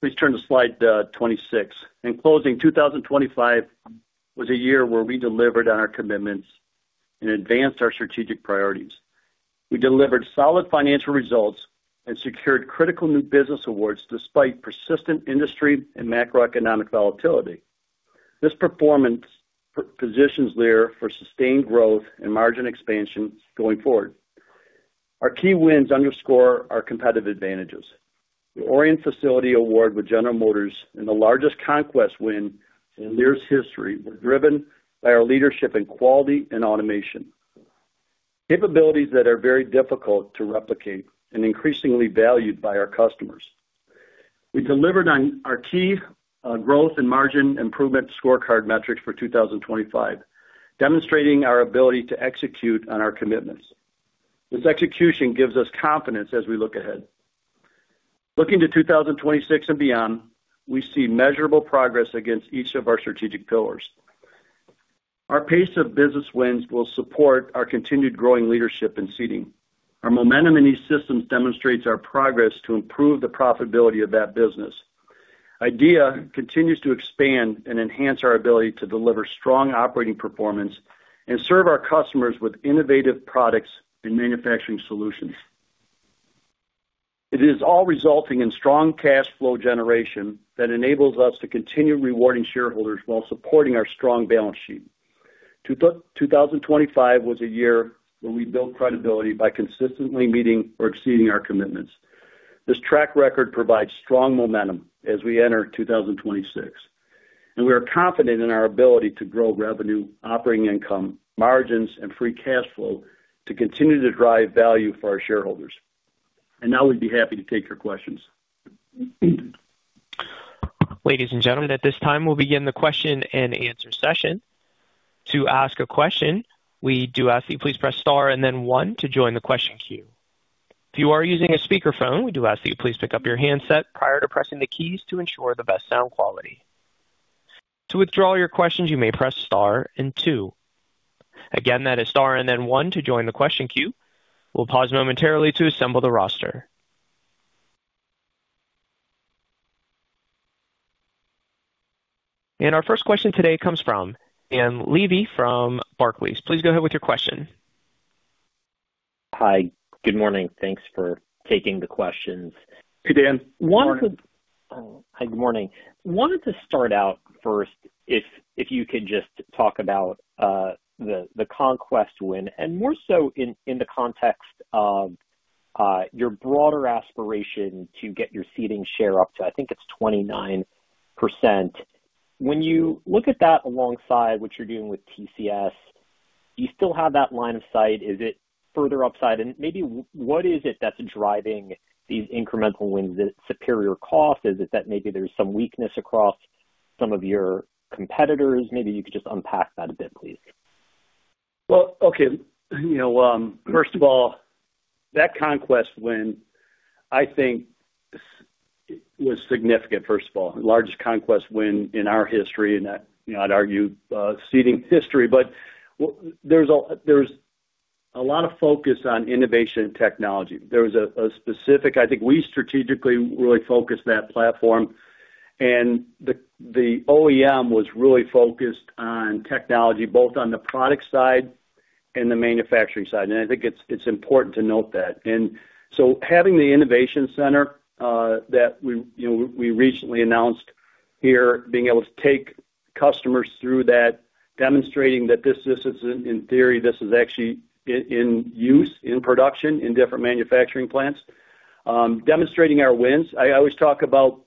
Please turn to slide 26. In closing, 2025 was a year where we delivered on our commitments and advanced our strategic priorities. We delivered solid financial results and secured critical new business awards despite persistent industry and macroeconomic volatility. This performance positions Lear for sustained growth and margin expansion going forward. Our key wins underscore our competitive advantages. The Orion Facility Award with General Motors and the largest conquest win in Lear's history were driven by our leadership in quality and automation, capabilities that are very difficult to replicate and increasingly valued by our customers. We delivered on our key growth and margin improvement scorecard metrics for 2025, demonstrating our ability to execute on our commitments. This execution gives us confidence as we look ahead. Looking to 2026 and beyond, we see measurable progress against each of our strategic pillars. Our pace of business wins will support our continued growing leadership in Seating. Our momentum in these systems demonstrates our progress to improve the profitability of that business. IDEA continues to expand and enhance our ability to deliver strong operating performance and serve our customers with innovative products and manufacturing solutions. It is all resulting in strong cash flow generation that enables us to continue rewarding shareholders while supporting our strong balance sheet. 2025 was a year where we built credibility by consistently meeting or exceeding our commitments. This track record provides strong momentum as we enter 2026, and we are confident in our ability to grow revenue, operating income, margins, and free cash flow to continue to drive value for our shareholders. Now we'd be happy to take your questions. Ladies and gentlemen, at this time, we'll begin the question-and-answer session. To ask a question, we do ask that you please press star and then one to join the question queue. If you are using a speakerphone, we do ask that you please pick up your handset prior to pressing the keys to ensure the best sound quality. To withdraw your questions, you may press star and two. Again, that is star and then one to join the question queue. We'll pause momentarily to assemble the roster. Our first question today comes from Dan Levy from Barclays. Please go ahead with your question. Hi, good morning. Thanks for taking the questions. Hey, Dan. Good morning. Hi, good morning. Wanted to start out first, if you could just talk about the conquest win, and more so in the context of your broader aspiration to get your Seating share up to, I think it's 29%. When you look at that alongside what you're doing with TCS, do you still have that line of sight? Is it further upside? And maybe what is it that's driving these incremental wins at superior cost? Is it that maybe there's some weakness across some of your competitors? Maybe you could just unpack that a bit, please. Well, okay. You know, first of all, that conquest win, I think was significant, first of all, the largest conquest win in our history, and I, you know, I'd argue, seating history. But there's a lot of focus on innovation and technology. There was a specific. I think we strategically really focused that platform, and the OEM was really focused on technology, both on the product side and the manufacturing side. And I think it's important to note that. And so having the innovation center, that we, you know, we recently announced here, being able to take customers through that, demonstrating that this system, in theory, this is actually in use, in production, in different manufacturing plants. Demonstrating our wins. I always talk about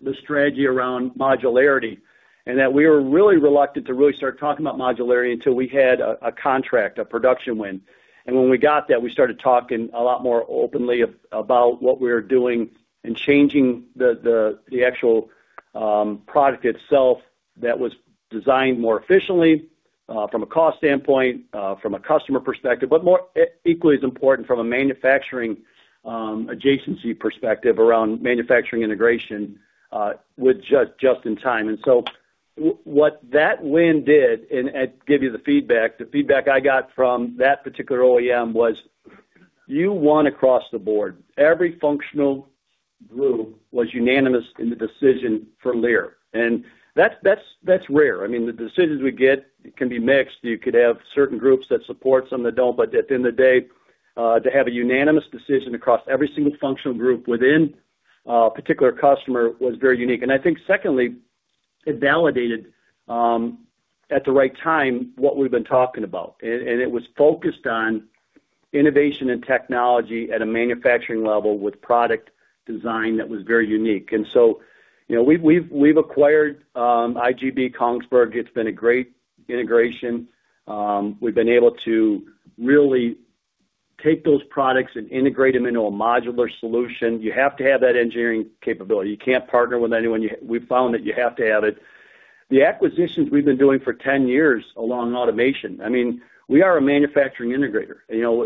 the strategy around modularity, and that we were really reluctant to really start talking about modularity until we had a contract, a production win. And when we got that, we started talking a lot more openly about what we were doing and changing the actual product itself that was designed more efficiently from a cost standpoint, from a customer perspective, but more equally as important from a manufacturing adjacency perspective around manufacturing integration with just in time. And so what that win did, and give you the feedback, the feedback I got from that particular OEM was, "You won across the board. Every functional group was unanimous in the decision for Lear." And that's rare. I mean, the decisions we get can be mixed. You could have certain groups that support, some that don't, but at the end of the day, to have a unanimous decision across every single functional group within a particular customer was very unique. And I think secondly, it validated, at the right time, what we've been talking about. And it was focused on innovation and technology at a manufacturing level with product design that was very unique. And so, you know, we've acquired IGB Kongsberg. It's been a great integration. We've been able to really take those products and integrate them into a modular solution. You have to have that engineering capability. You can't partner with anyone. We've found that you have to have it. The acquisitions we've been doing for 10 years along automation, I mean, we are a manufacturing integrator. You know,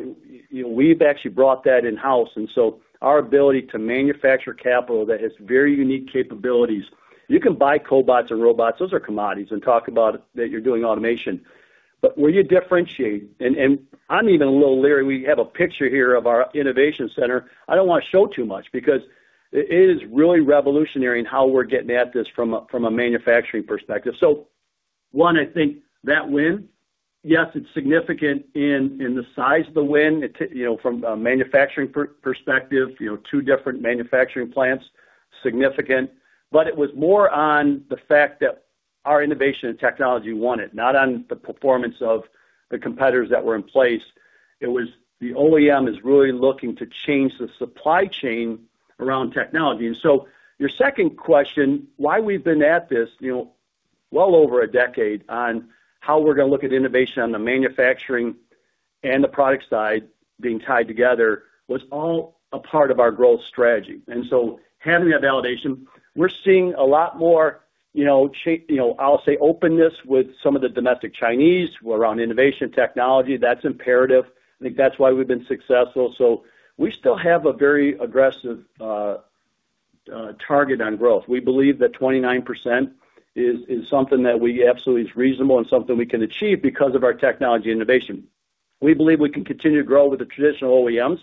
you know, we've actually brought that in-house, and so our ability to manufacture capital that has very unique capabilities. You can buy cobots and robots, those are commodities, and talk about that you're doing automation. But where you differentiate, and I'm even a little leery. We have a picture here of our innovation center. I don't want to show too much because it is really revolutionary in how we're getting at this from a manufacturing perspective. So one, I think that win, yes, it's significant in the size of the win, it you know, from a manufacturing perspective, you know, two different manufacturing plants, significant. But it was more on the fact that our innovation and technology won it, not on the performance of the competitors that were in place. It was the OEM is really looking to change the supply chain around technology. And so your second question, why we've been at this, you know, well over a decade on how we're going to look at innovation on the manufacturing and the product side being tied together, was all a part of our growth strategy. And so having that validation, we're seeing a lot more, you know, I'll say, openness with some of the domestic Chinese around innovation technology. That's imperative. I think that's why we've been successful. So we still have a very aggressive target on growth. We believe that 29% is, is something that we absolutely is reasonable and something we can achieve because of our technology innovation. We believe we can continue to grow with the traditional OEMs,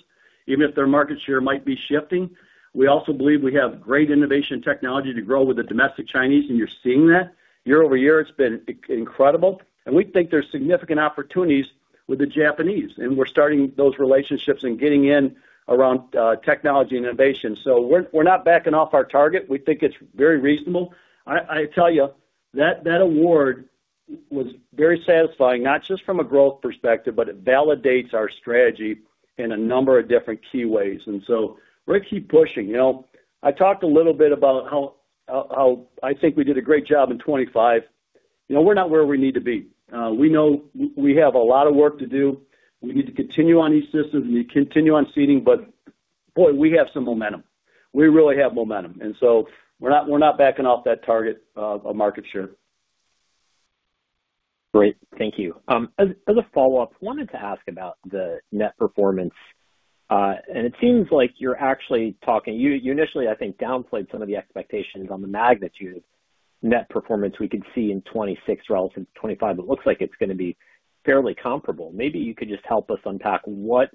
even if their market share might be shifting. We also believe we have great innovation technology to grow with the domestic Chinese, and you're seeing that. Year-over-year, it's been incredible, and we think there's significant opportunities with the Japanese, and we're starting those relationships and getting in around technology and innovation. So we're not backing off our target. We think it's very reasonable. I tell you, that award was very satisfying, not just from a growth perspective, but it validates our strategy in a number of different keyways. And so we're going to keep pushing. You know, I talked a little bit about how I think we did a great job in 2025. You know, we're not where we need to be. We know we have a lot of work to do. We need to continue on E-Systems, we need to continue on Seating, but, boy, we have some momentum. We really have momentum, and so we're not, we're not backing off that target of, of market share. Great. Thank you. As a follow-up, I wanted to ask about the net performance, and it seems like you're actually talking. You initially, I think, downplayed some of the expectations on the magnitude of net performance we could see in 2026 relative to 2025. It looks like it's going to be fairly comparable. Maybe you could just help us unpack what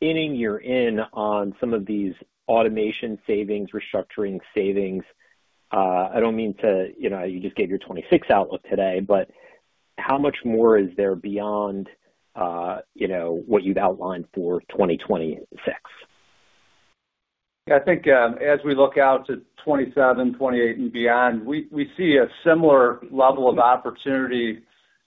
inning you're in on some of these automation savings, restructuring savings. I don't mean to, you know, you just gave your 2026 outlook today, but how much more is there beyond, you know, what you've outlined for 2026? I think, as we look out to 2027, 2028 and beyond, we, we see a similar level of opportunity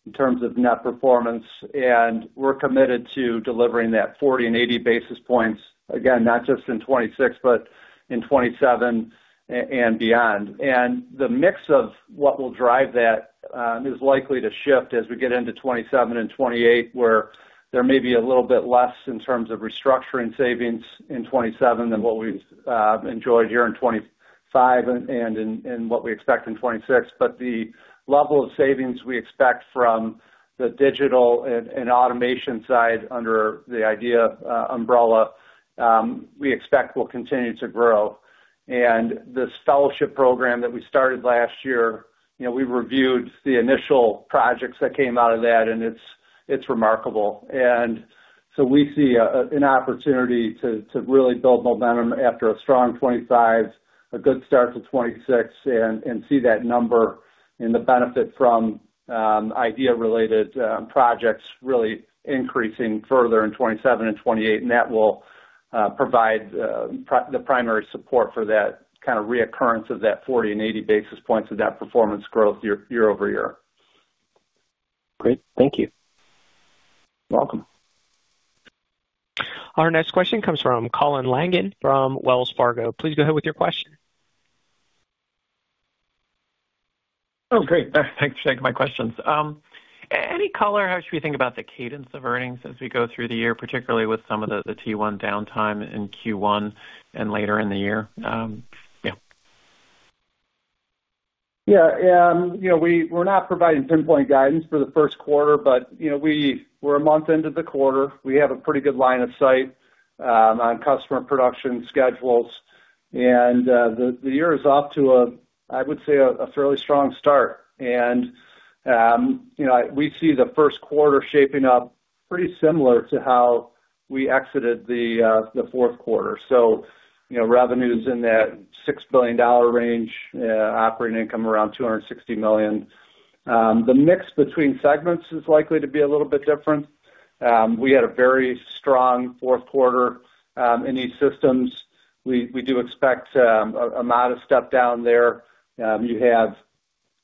in terms of net performance, and we're committed to delivering that 40 and 80 basis points, again, not just in 2026, but in 2027 and beyond. And the mix of what will drive that, is likely to shift as we get into 2027 and 2028, where there may be a little bit less in terms of restructuring savings in 2027 than what we've, enjoyed here in 2025 and in what we expect in 2026. But the level of savings we expect from the digital and automation side under the IDEA umbrella, we expect will continue to grow. And this fellowship program that we started last year, you know, we reviewed the initial projects that came out of that, and it's, it's remarkable. And so we see an opportunity to really build momentum after a strong 2025, a good start to 2026, and see that number and the benefit from IDEA related projects really increasing further in 2027 and 2028, and that will provide the primary support for that kind of reoccurrence of that 40 and 80 basis points of that performance growth year-over-year. Great. Thank you. Welcome. Our next question comes from Colin Langan from Wells Fargo. Please go ahead with your question. Oh, great. Thanks for taking my questions. Any color, how should we think about the cadence of earnings as we go through the year, particularly with some of the T1 downtime in Q1 and later in the year? Yeah. Yeah. You know, we're not providing pinpoint guidance for the first quarter, but, you know, we're a month into the quarter. We have a pretty good line of sight on customer production schedules, and the year is off to a, I would say, a fairly strong start. And you know, we see the first quarter shaping up pretty similar to how we exited the fourth quarter. So, you know, revenues in that $6 billion range, operating income around $260 million. The mix between segments is likely to be a little bit different. We had a very strong fourth quarter in E-Systems. We do expect a modest step down there. You have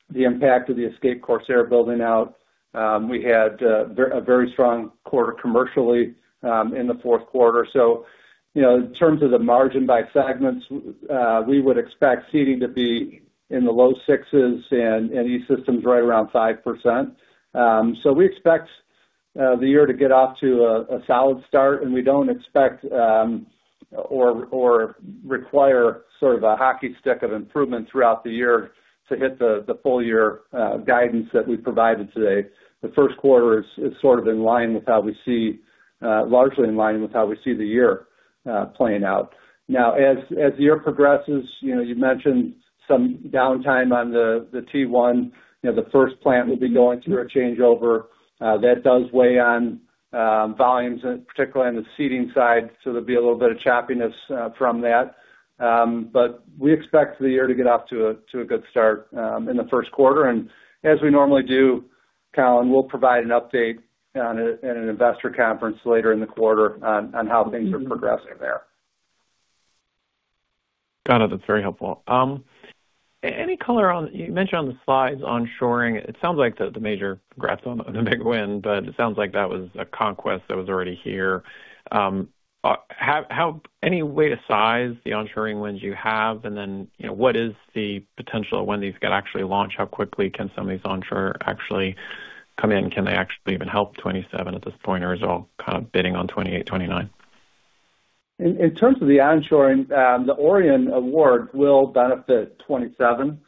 the impact of the Escape Corsair building out. We had a very strong quarter commercially in the fourth quarter. So, you know, in terms of the margin by segments, we would expect Seating to be in the low 6s and E-Systems right around 5%. So we expect the year to get off to a solid start, and we don't expect or require sort of a hockey stick of improvement throughout the year to hit the full-year guidance that we provided today. The first quarter is sort of in line with how we see largely in line with how we see the year playing out. Now, as the year progresses, you know, you've mentioned some downtime on the T1. You know, the first plant will be going through a changeover. That does weigh on volumes, particularly on the Seating side, so there'll be a little bit of choppiness from that. But we expect the year to get off to a good start in the first quarter. And as we normally do, Colin, we'll provide an update on it in an investor conference later in the quarter on how things are progressing there. Got it. That's very helpful. Any color on—you mentioned on the slides onshoring, it sounds like the major congrats on the big win, but it sounds like that was a conquest that was already here. Any way to size the onshoring wins you have? And then, you know, what is the potential of when these get actually launched? How quickly can some of these onshore actually come in? Can they actually even help 2027 at this point, or is it all kind of bidding on 2028, 2029? In terms of the onshoring, the Orion award will benefit 2027,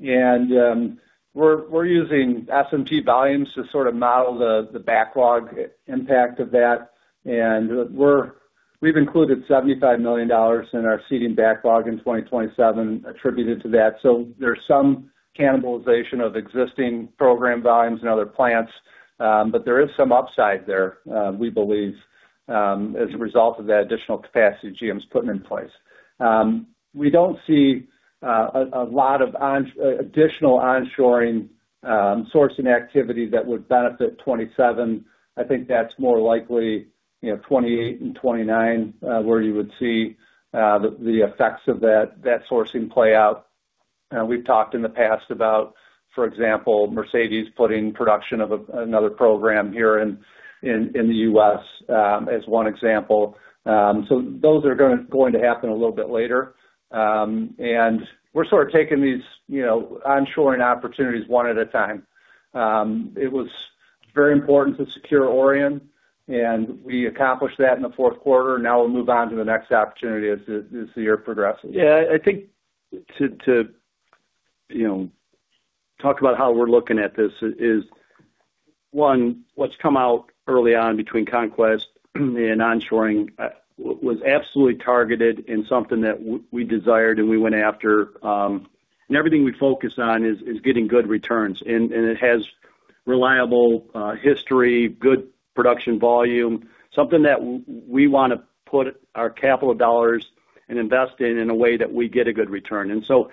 and we're using S&P volumes to sort of model the backlog impact of that. We've included $75 million in our Seating backlog in 2027 attributed to that. So there's some cannibalization of existing program volumes in other plants, but there is some upside there, we believe, as a result of that additional capacity GM's putting in place. We don't see a lot of additional onshoring sourcing activity that would benefit 2027. I think that's more likely, you know, 2028 and 2029, where you would see the effects of that sourcing play out. We've talked in the past about, for example, Mercedes putting production of another program here in the U.S., as one example. So those are going to happen a little bit later. We're sort of taking these, you know, onshoring opportunities one at a time. It was very important to secure Orion, and we accomplished that in the fourth quarter. Now we'll move on to the next opportunity as the year progresses. Yeah. I think to you know, talk about how we're looking at this is, one, what's come out early on between conquest and onshoring was absolutely targeted and something that we desired and we went after. And everything we focus on is getting good returns. And it has reliable history, good production volume, something that we want to put our capital dollars and invest in, in a way that we get a good return. And so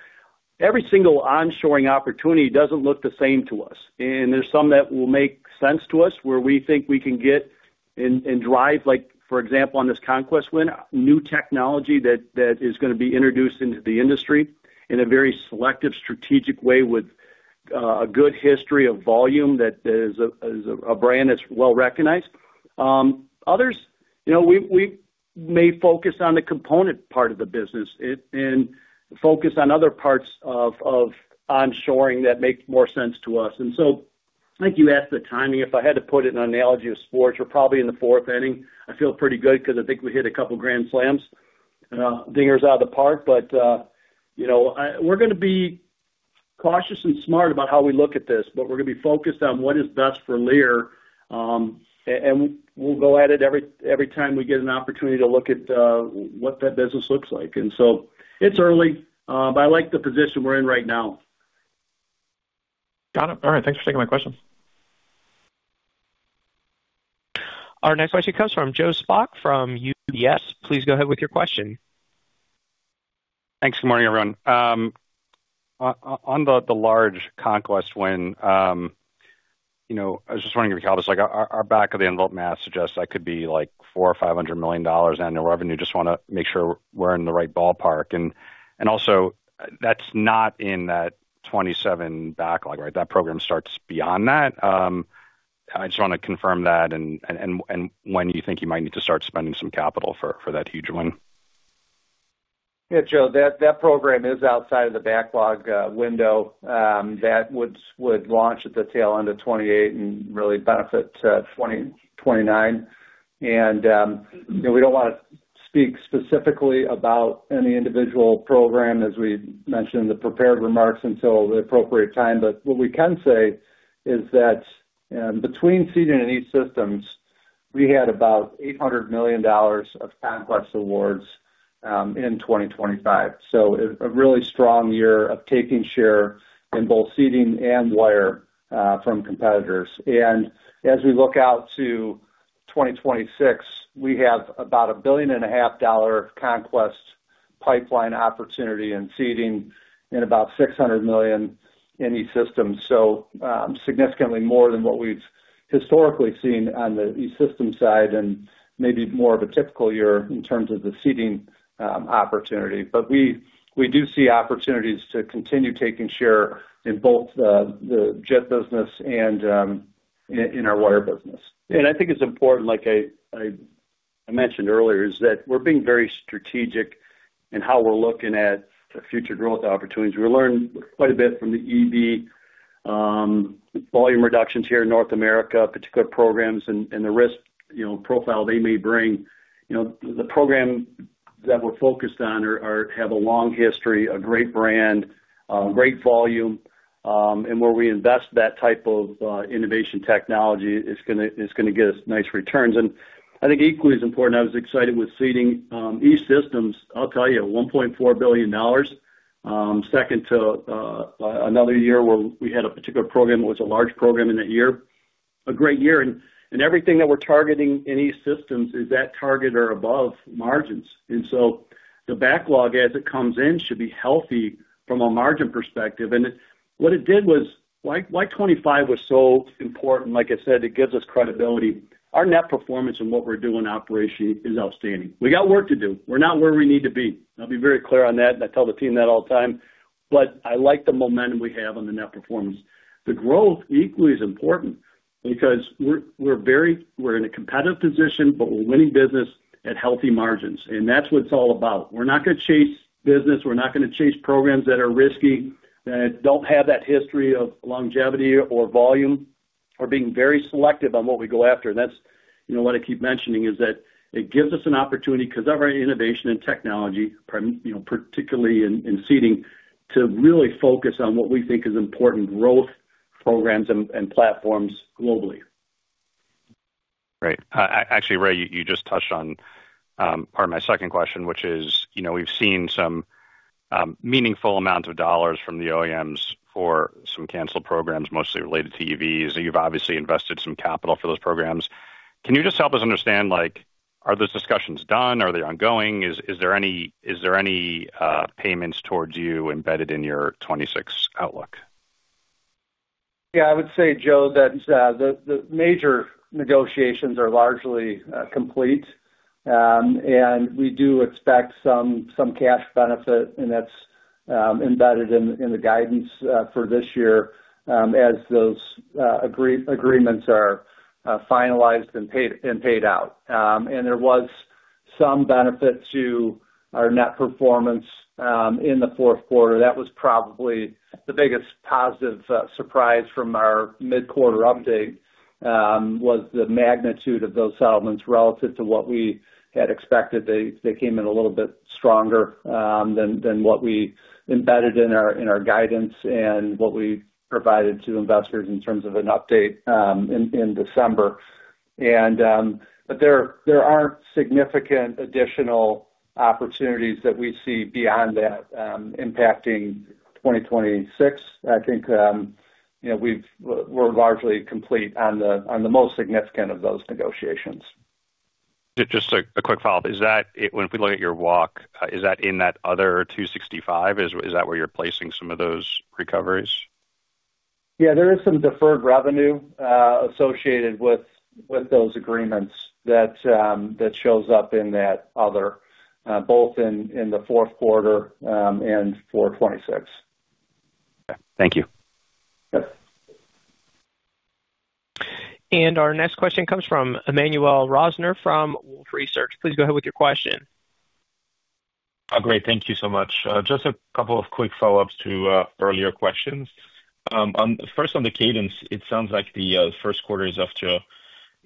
every single onshoring opportunity doesn't look the same to us, and there's some that will make sense to us, where we think we can get and drive, like, for example, on this conquest win, new technology that is gonna be introduced into the industry in a very selective, strategic way, with a good history of volume, that is a brand that's well recognized. Others, you know, we may focus on the component part of the business and focus on other parts of onshoring that make more sense to us. And so I think you asked the timing. If I had to put it in an analogy of sports, we're probably in the fourth inning. I feel pretty good because I think we hit a couple grand slams, dingers out of the park. But, you know, we're gonna be cautious and smart about how we look at this, but we're gonna be focused on what is best for Lear. And we'll go at it every time we get an opportunity to look at what that business looks like. And so it's early, but I like the position we're in right now. Got it. All right. Thanks for taking my question. Our next question comes from Joe Spak from UBS. Please go ahead with your question. Thanks. Good morning, everyone. On the large conquest win, you know, I was just wondering, your comments, like our back of the envelope math suggests that could be like $400 million-$500 million annual revenue. Just want to make sure we're in the right ballpark. And also, that's not in that 2027 backlog, right? That program starts beyond that. I just want to confirm that and when you think you might need to start spending some capital for that huge win. Yeah, Joe. That program is outside of the backlog window. That would launch at the tail end of 2028 and really benefit 2029. You know, we don't want to speak specifically about any individual program, as we mentioned in the prepared remarks, until the appropriate time, but what we can say is that between Seating and E-Systems, we had about $800 million of conquest awards in 2025. So a really strong year of taking share in both Seating and wire from competitors. And as we look out to 2026, we have about $1.5 billion conquest pipeline opportunity in Seating and about $600 million in E-Systems. So, significantly more than what we've historically seen on the E-Systems side, and maybe more of a typical year in terms of the Seating opportunity. But we do see opportunities to continue taking share in both the seat business and in our wire business. I think it's important, like I mentioned earlier, is that we're being very strategic in how we're looking at the future growth opportunities. We learned quite a bit from the EV, volume reductions here in North America, particular programs and the risk, you know, profile they may bring. You know, the program that we're focused on have a long history, a great brand, great volume. And where we invest that type of, innovation technology, it's gonna, it's gonna get us nice returns. And I think equally as important, I was excited with Seating, E-Systems. I'll tell you, $1.4 billion, second to, another year where we had a particular program, it was a large program in that year, a great year. And everything that we're targeting in E-Systems is at target or above margins. And so the backlog, as it comes in, should be healthy from a margin perspective. And what it did was, why, why 2025 was so important? Like I said, it gives us credibility. Our net performance and what we're doing operationally is outstanding. We got work to do. We're not where we need to be. I'll be very clear on that, and I tell the team that all the time, but I like the momentum we have on the net performance. The growth equally is important because we're very in a competitive position, but we're winning business at healthy margins, and that's what it's all about. We're not gonna chase business. We're not gonna chase programs that are risky, that don't have that history of longevity or volume. We're being very selective on what we go after, and that's, you know, what I keep mentioning, is that it gives us an opportunity because of our innovation and technology, pardon, you know, particularly in Seating, to really focus on what we think is important growth programs and platforms globally. Right. Actually, Ray, you just touched on part of my second question, which is, you know, we've seen some meaningful amounts of dollars from the OEMs for some canceled programs, mostly related to EVs. You've obviously invested some capital for those programs. Can you just help us understand, like, are those discussions done? Are they ongoing? Is there any payments towards you embedded in your 2026 outlook? Yeah. I would say, Joe, that the major negotiations are largely complete. And we do expect some cash benefit, and that's embedded in the guidance for this year, as those agreements are finalized and paid out. And there was some benefit to our net performance in the fourth quarter. That was probably the biggest positive surprise from our mid-quarter update, was the magnitude of those settlements relative to what we had expected. They came in a little bit stronger than what we embedded in our guidance and what we provided to investors in terms of an update in December. But there aren't significant additional opportunities that we see beyond that, impacting 2026. I think, you know, we're largely complete on the most significant of those negotiations. Just a quick follow-up. Is that, when we look at your walk, is that in that other 265? Is that where you're placing some of those recoveries? Yeah, there is some deferred revenue associated with those agreements that shows up in that other both in the fourth quarter and for 2026. Thank you. Yes. Our next question comes from Emmanuel Rosner, from Wolfe Research. Please go ahead with your question. Great. Thank you so much. Just a couple of quick follow-ups to earlier questions. First, on the cadence, it sounds like the first quarter is off to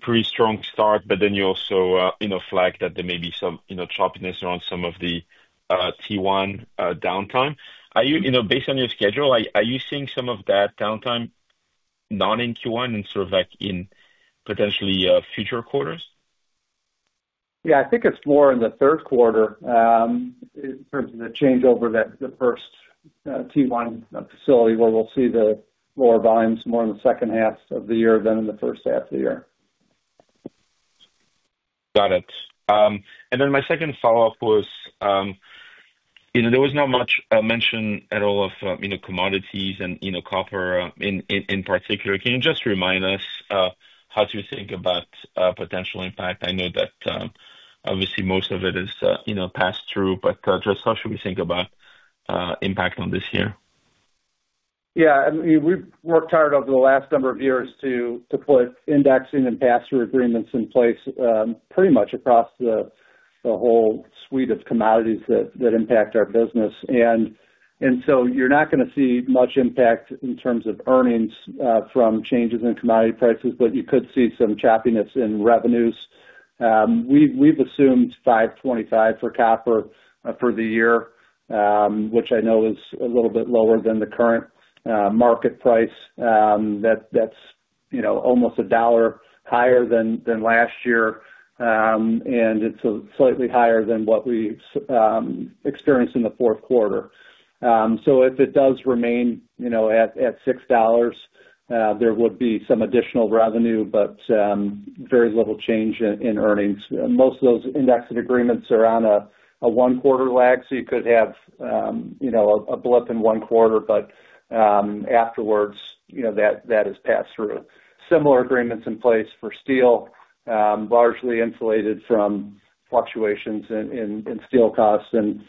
a pretty strong start, but then you also you know flag that there may be some you know choppiness around some of the T1 downtime. Are you... You know, based on your schedule, are you seeing some of that downtime not in Q1 and sort of like in potentially future quarters? Yeah. I think it's more in the third quarter, in terms of the changeover that the first T1 facility, where we'll see the lower volumes more in the second half of the year than in the first half of the year. Got it. And then my second follow-up was, you know, there was not much mention at all of, you know, commodities and, you know, copper in particular. Can you just remind us, how to think about potential impact? I know that, obviously, most of it is, you know, passed through, but just how should we think about impact on this year? Yeah. I mean, we've worked hard over the last number of years to put indexing and pass-through agreements in place, pretty much across the whole suite of commodities that impact our business. And so you're not gonna see much impact in terms of earnings from changes in commodity prices, but you could see some choppiness in revenues. We've assumed $5.25 for copper for the year, which I know is a little bit lower than the current market price. That's you know, almost $1 higher than last year, and it's slightly higher than what we've experienced in the fourth quarter. So if it does remain you know, at $6, there would be some additional revenue, but very little change in earnings. Most of those indexing agreements are on a one-quarter lag, so you could have, you know, a blip in one quarter, but afterwards, you know, that, that is passed through. Similar agreements in place for steel, largely insulated from fluctuations in steel costs. And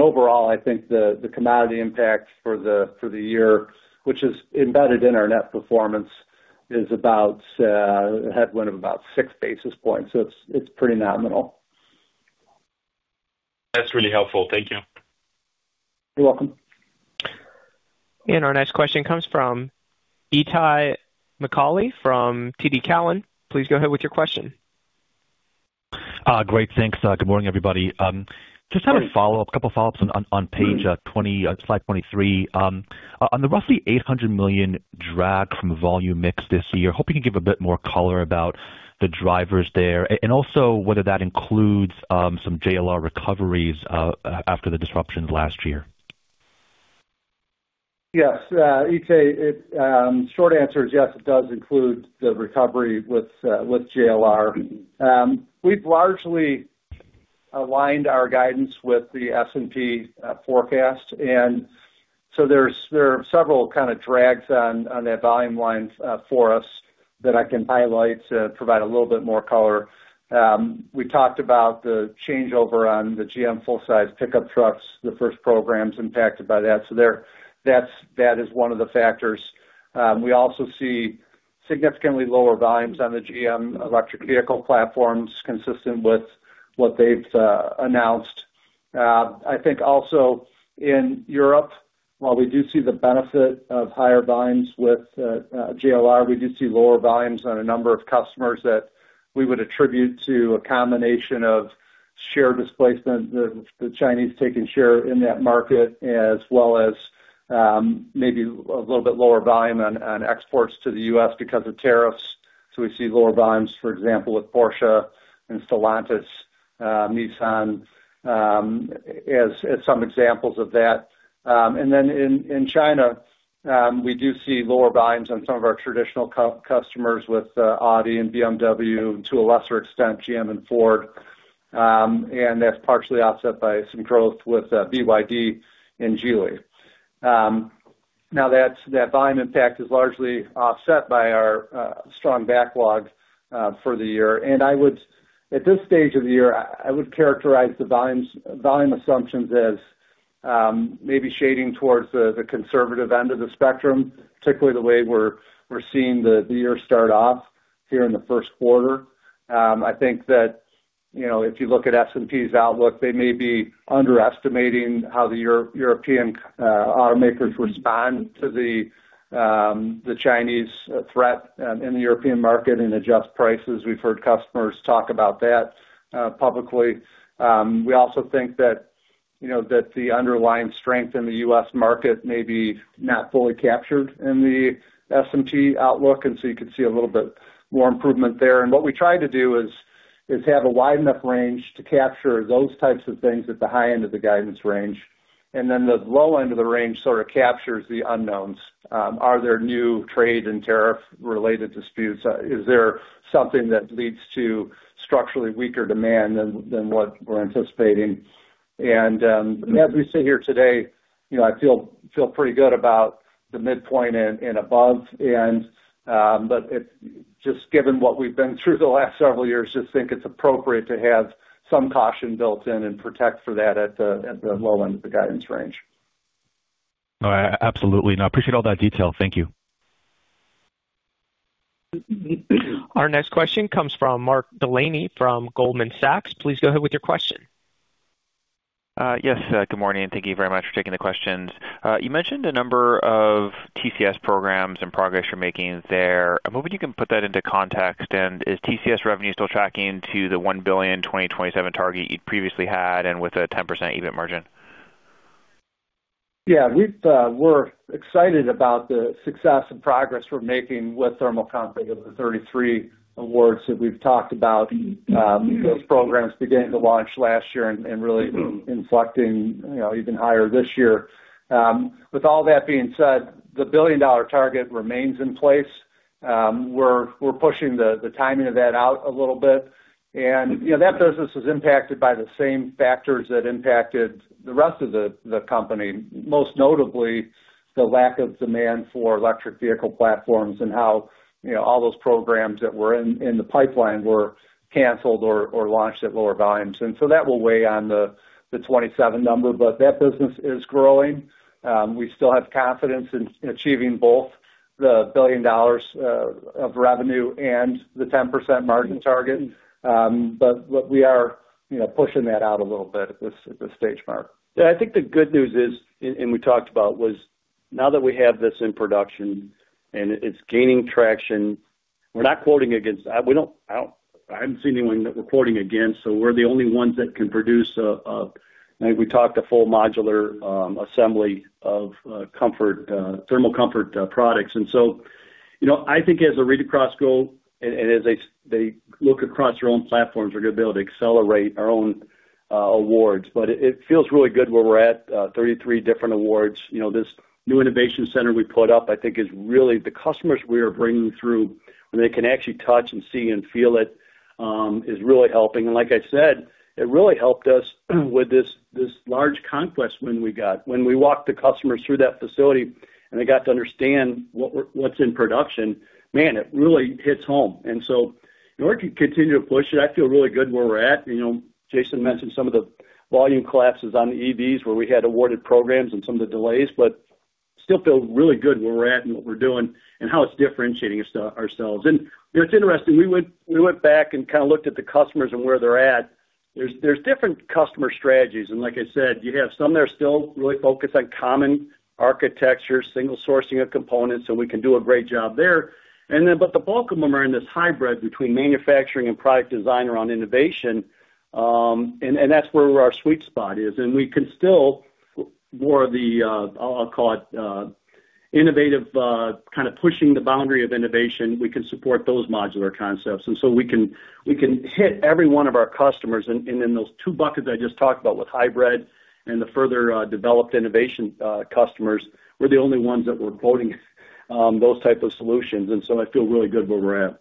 overall, I think the commodity impact for the year, which is embedded in our net performance, is about a headwind of about six basis points. So it's pretty nominal. That's really helpful. Thank you. You're welcome. Our next question comes from Itay Michaeli, from TD Cowen. Please go ahead with your question. Great, thanks. Good morning, everybody. Just have a follow-up, a couple follow-ups on page 20, slide 23. On the roughly $800 million drag from volume mix this year, hoping you can give a bit more color about the drivers there, and also whether that includes some JLR recoveries after the disruptions last year? Yes, Itay. Short answer is yes. It does include the recovery with with JLR. We've largely aligned our guidance with the S&P forecast. And so there are several kind of drags on that volume line for us that I can highlight to provide a little bit more color. We talked about the changeover on the GM full-size pickup trucks, the first programs impacted by that. So that is one of the factors. We also see significantly lower volumes on the GM electric vehicle platforms, consistent with what they've announced. I think also in Europe, while we do see the benefit of higher volumes with JLR, we do see lower volumes on a number of customers that we would attribute to a combination of share displacement, the Chinese taking share in that market, as well as maybe a little bit lower volume on exports to the U.S. because of tariffs. So we see lower volumes, for example, with Porsche and Stellantis, Nissan, as some examples of that. And then in China, we do see lower volumes on some of our traditional customers with Audi and BMW, to a lesser extent, GM and Ford. And that's partially offset by some growth with BYD and Geely. Now that's that volume impact is largely offset by our strong backlog for the year. I would at this stage of the year, I would characterize the volumes, volume assumptions as maybe shading towards the conservative end of the spectrum, particularly the way we're seeing the year start off here in the first quarter. I think that, you know, if you look at S&P's outlook, they may be underestimating how the European automakers respond to the Chinese threat in the European market and adjust prices. We've heard customers talk about that publicly. We also think that, you know, the underlying strength in the U.S. market may be not fully captured in the S&P outlook, and so you could see a little bit more improvement there. And what we try to do is have a wide enough range to capture those types of things at the high end of the guidance range, and then the low end of the range sort of captures the unknowns. Are there new trade and tariff related disputes? Is there something that leads to structurally weaker demand than what we're anticipating? And as we sit here today, you know, I feel pretty good about the midpoint and above. But just given what we've been through the last several years, just think it's appropriate to have some caution built in and protect for that at the low end of the guidance range. All right. Absolutely. I appreciate all that detail. Thank you. Our next question comes from Mark Delaney, from Goldman Sachs. Please go ahead with your question. Yes, good morning, and thank you very much for taking the questions. You mentioned a number of TCS programs and progress you're making there. I'm hoping you can put that into context. Is TCS revenue still tracking to the $1 billion 2027 target you previously had and with a 10% EBIT margin? Yeah. We've, we're excited about the success and progress we're making with thermal comfort of the 33 awards that we've talked about. Those programs began to launch last year and really inflecting, you know, even higher this year. With all that being said, the billion-dollar target remains in place. We're pushing the timing of that out a little bit. And, you know, that business is impacted by the same factors that impacted the rest of the company, most notably the lack of demand for electric vehicle platforms and how, you know, all those programs that were in the pipeline were canceled or launched at lower volumes. And so that will weigh on the 2027 number. But that business is growing. We still have confidence in achieving both the $1 billion of revenue and the 10% margin target. But what we are, you know, pushing that out a little bit at this stage, Mark. Yeah. I think the good news is, we talked about, now that we have this in production and it's gaining traction, we're not quoting against, we don't, I haven't seen anyone that we're quoting against, so we're the only ones that can produce a full modular assembly of comfort thermal comfort products. And so, you know, I think as a read-across go and as they look across their own platforms, we're gonna be able to accelerate our own awards. But it feels really good where we're at, 33 different awards. You know, this new innovation center we put up, I think, is really the customers we are bringing through, and they can actually touch and see and feel it is really helping. Like I said, it really helped us with this, this large conquest win we got. When we walked the customers through that facility, and they got to understand what we're, what's in production, man, it really hits home. And so in order to continue to push it, I feel really good where we're at. You know, Jason mentioned some of the volume collapses on the EVs, where we had awarded programs and some of the delays, but still feel really good where we're at and what we're doing and how it's differentiating us, ourselves. And, you know, it's interesting, we went, we went back and kind of looked at the customers and where they're at. There's, there's different customer strategies, and like I said, you have some that are still really focused on common architecture, single sourcing of components, so we can do a great job there. But the bulk of them are in this hybrid between manufacturing and product design around innovation, and that's where our sweet spot is. And we can still more of the, I'll call it, innovative kind of pushing the boundary of innovation, we can support those modular concepts, and so we can hit every one of our customers. And in those two buckets I just talked about with hybrid and the further developed innovation customers, we're the only ones that we're quoting those type of solutions, and so I feel really good where we're at.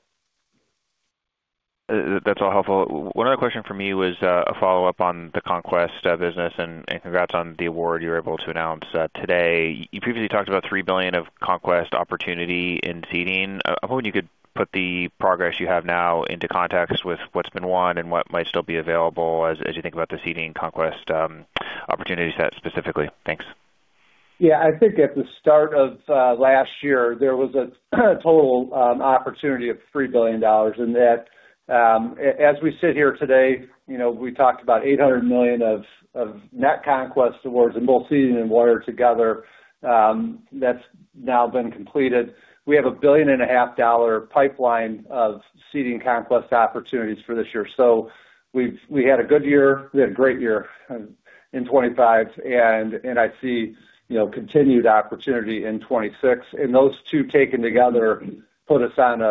That's all helpful. One other question from me was, a follow-up on the conquest business, and, and congrats on the award you were able to announce today. You previously talked about $3 billion of conquest opportunity in Seating. I'm hoping you could put the progress you have now into context with what's been won and what might still be available as, as you think about the seating conquest opportunity set specifically. Thanks. Yeah. I think at the start of last year, there was a total opportunity of $3 billion, and that as we sit here today, you know, we talked about $800 million of net conquest awards in both Seating and E-Systems, that's now been completed. We have a $1.5 billion pipeline of Seating conquest opportunities for this year. So we had a good year. We had a great year in 2025, and I see, you know, continued opportunity in 2026. And those two taken together put us on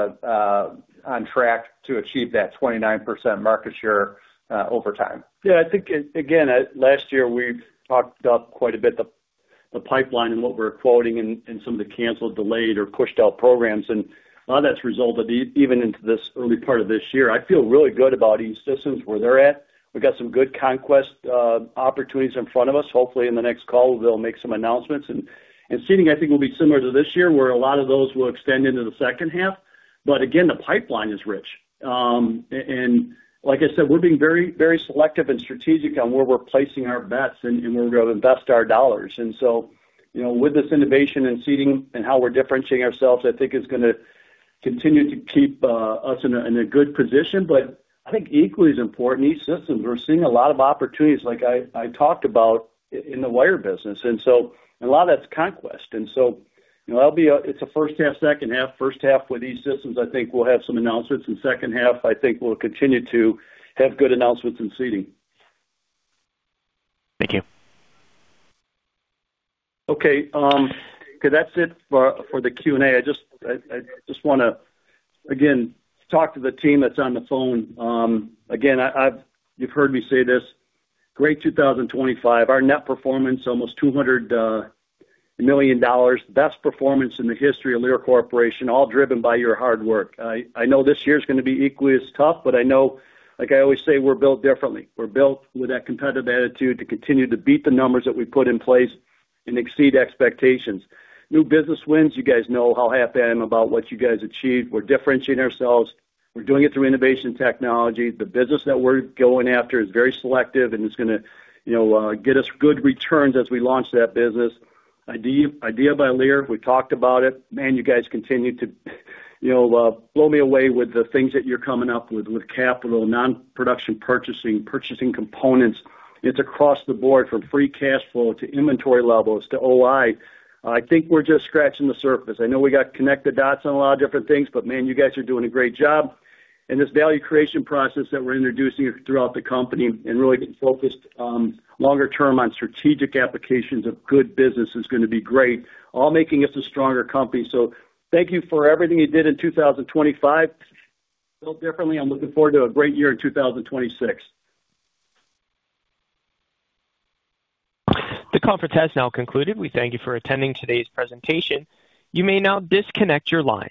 track to achieve that 29% market share over time. Yeah. I think, again, last year, we talked up quite a bit the pipeline and what we're quoting and some of the canceled, delayed, or pushed out programs, and a lot of that's resulted even into this early part of this year. I feel really good about E-Systems, where they're at. We've got some good conquest opportunities in front of us. Hopefully, in the next call, they'll make some announcements. And Seating, I think, will be similar to this year, where a lot of those will extend into the second half. But again, the pipeline is rich. And like I said, we're being very, very selective and strategic on where we're placing our bets and where we're going to invest our dollars. And so, you know, with this innovation in Seating and how we're differentiating ourselves, I think it's gonna continue to keep us in a good position. But I think equally as important, E-Systems, we're seeing a lot of opportunities, like I talked about in the wire business, and so a lot of that's conquest. And so, you know, that'll be a first half, second half. First half with E-Systems, I think we'll have some announcements. In second half, I think we'll continue to have good announcements in Seating. Thank you. Okay, that's it for the Q&A. I just wanna, again, talk to the team that's on the phone. Again, you've heard me say this, great 2025. Our net performance, almost $200 million. Best performance in the history of Lear Corporation, all driven by your hard work. I know this year's gonna be equally as tough, but I know, like I always say, we're built differently. We're built with that competitive attitude to continue to beat the numbers that we put in place and exceed expectations. New business wins, you guys know how happy I am about what you guys achieved. We're differentiating ourselves. We're doing it through innovation technology. The business that we're going after is very selective, and it's gonna, you know, get us good returns as we launch that business. IDEA by Lear, we talked about it, man, you guys continue to, you know, blow me away with the things that you're coming up with, with capital, non-production purchasing, purchasing components. It's across the board from free cash flow to inventory levels to OI. I think we're just scratching the surface. I know we got connected dots on a lot of different things, but man, you guys are doing a great job. And this value creation process that we're introducing throughout the company and really getting focused, longer term on strategic applications of good business is gonna be great, all making us a stronger company. So thank you for everything you did in 2025. Built differently, I'm looking forward to a great year in 2026. The conference has now concluded. We thank you for attending today's presentation. You may now disconnect your line.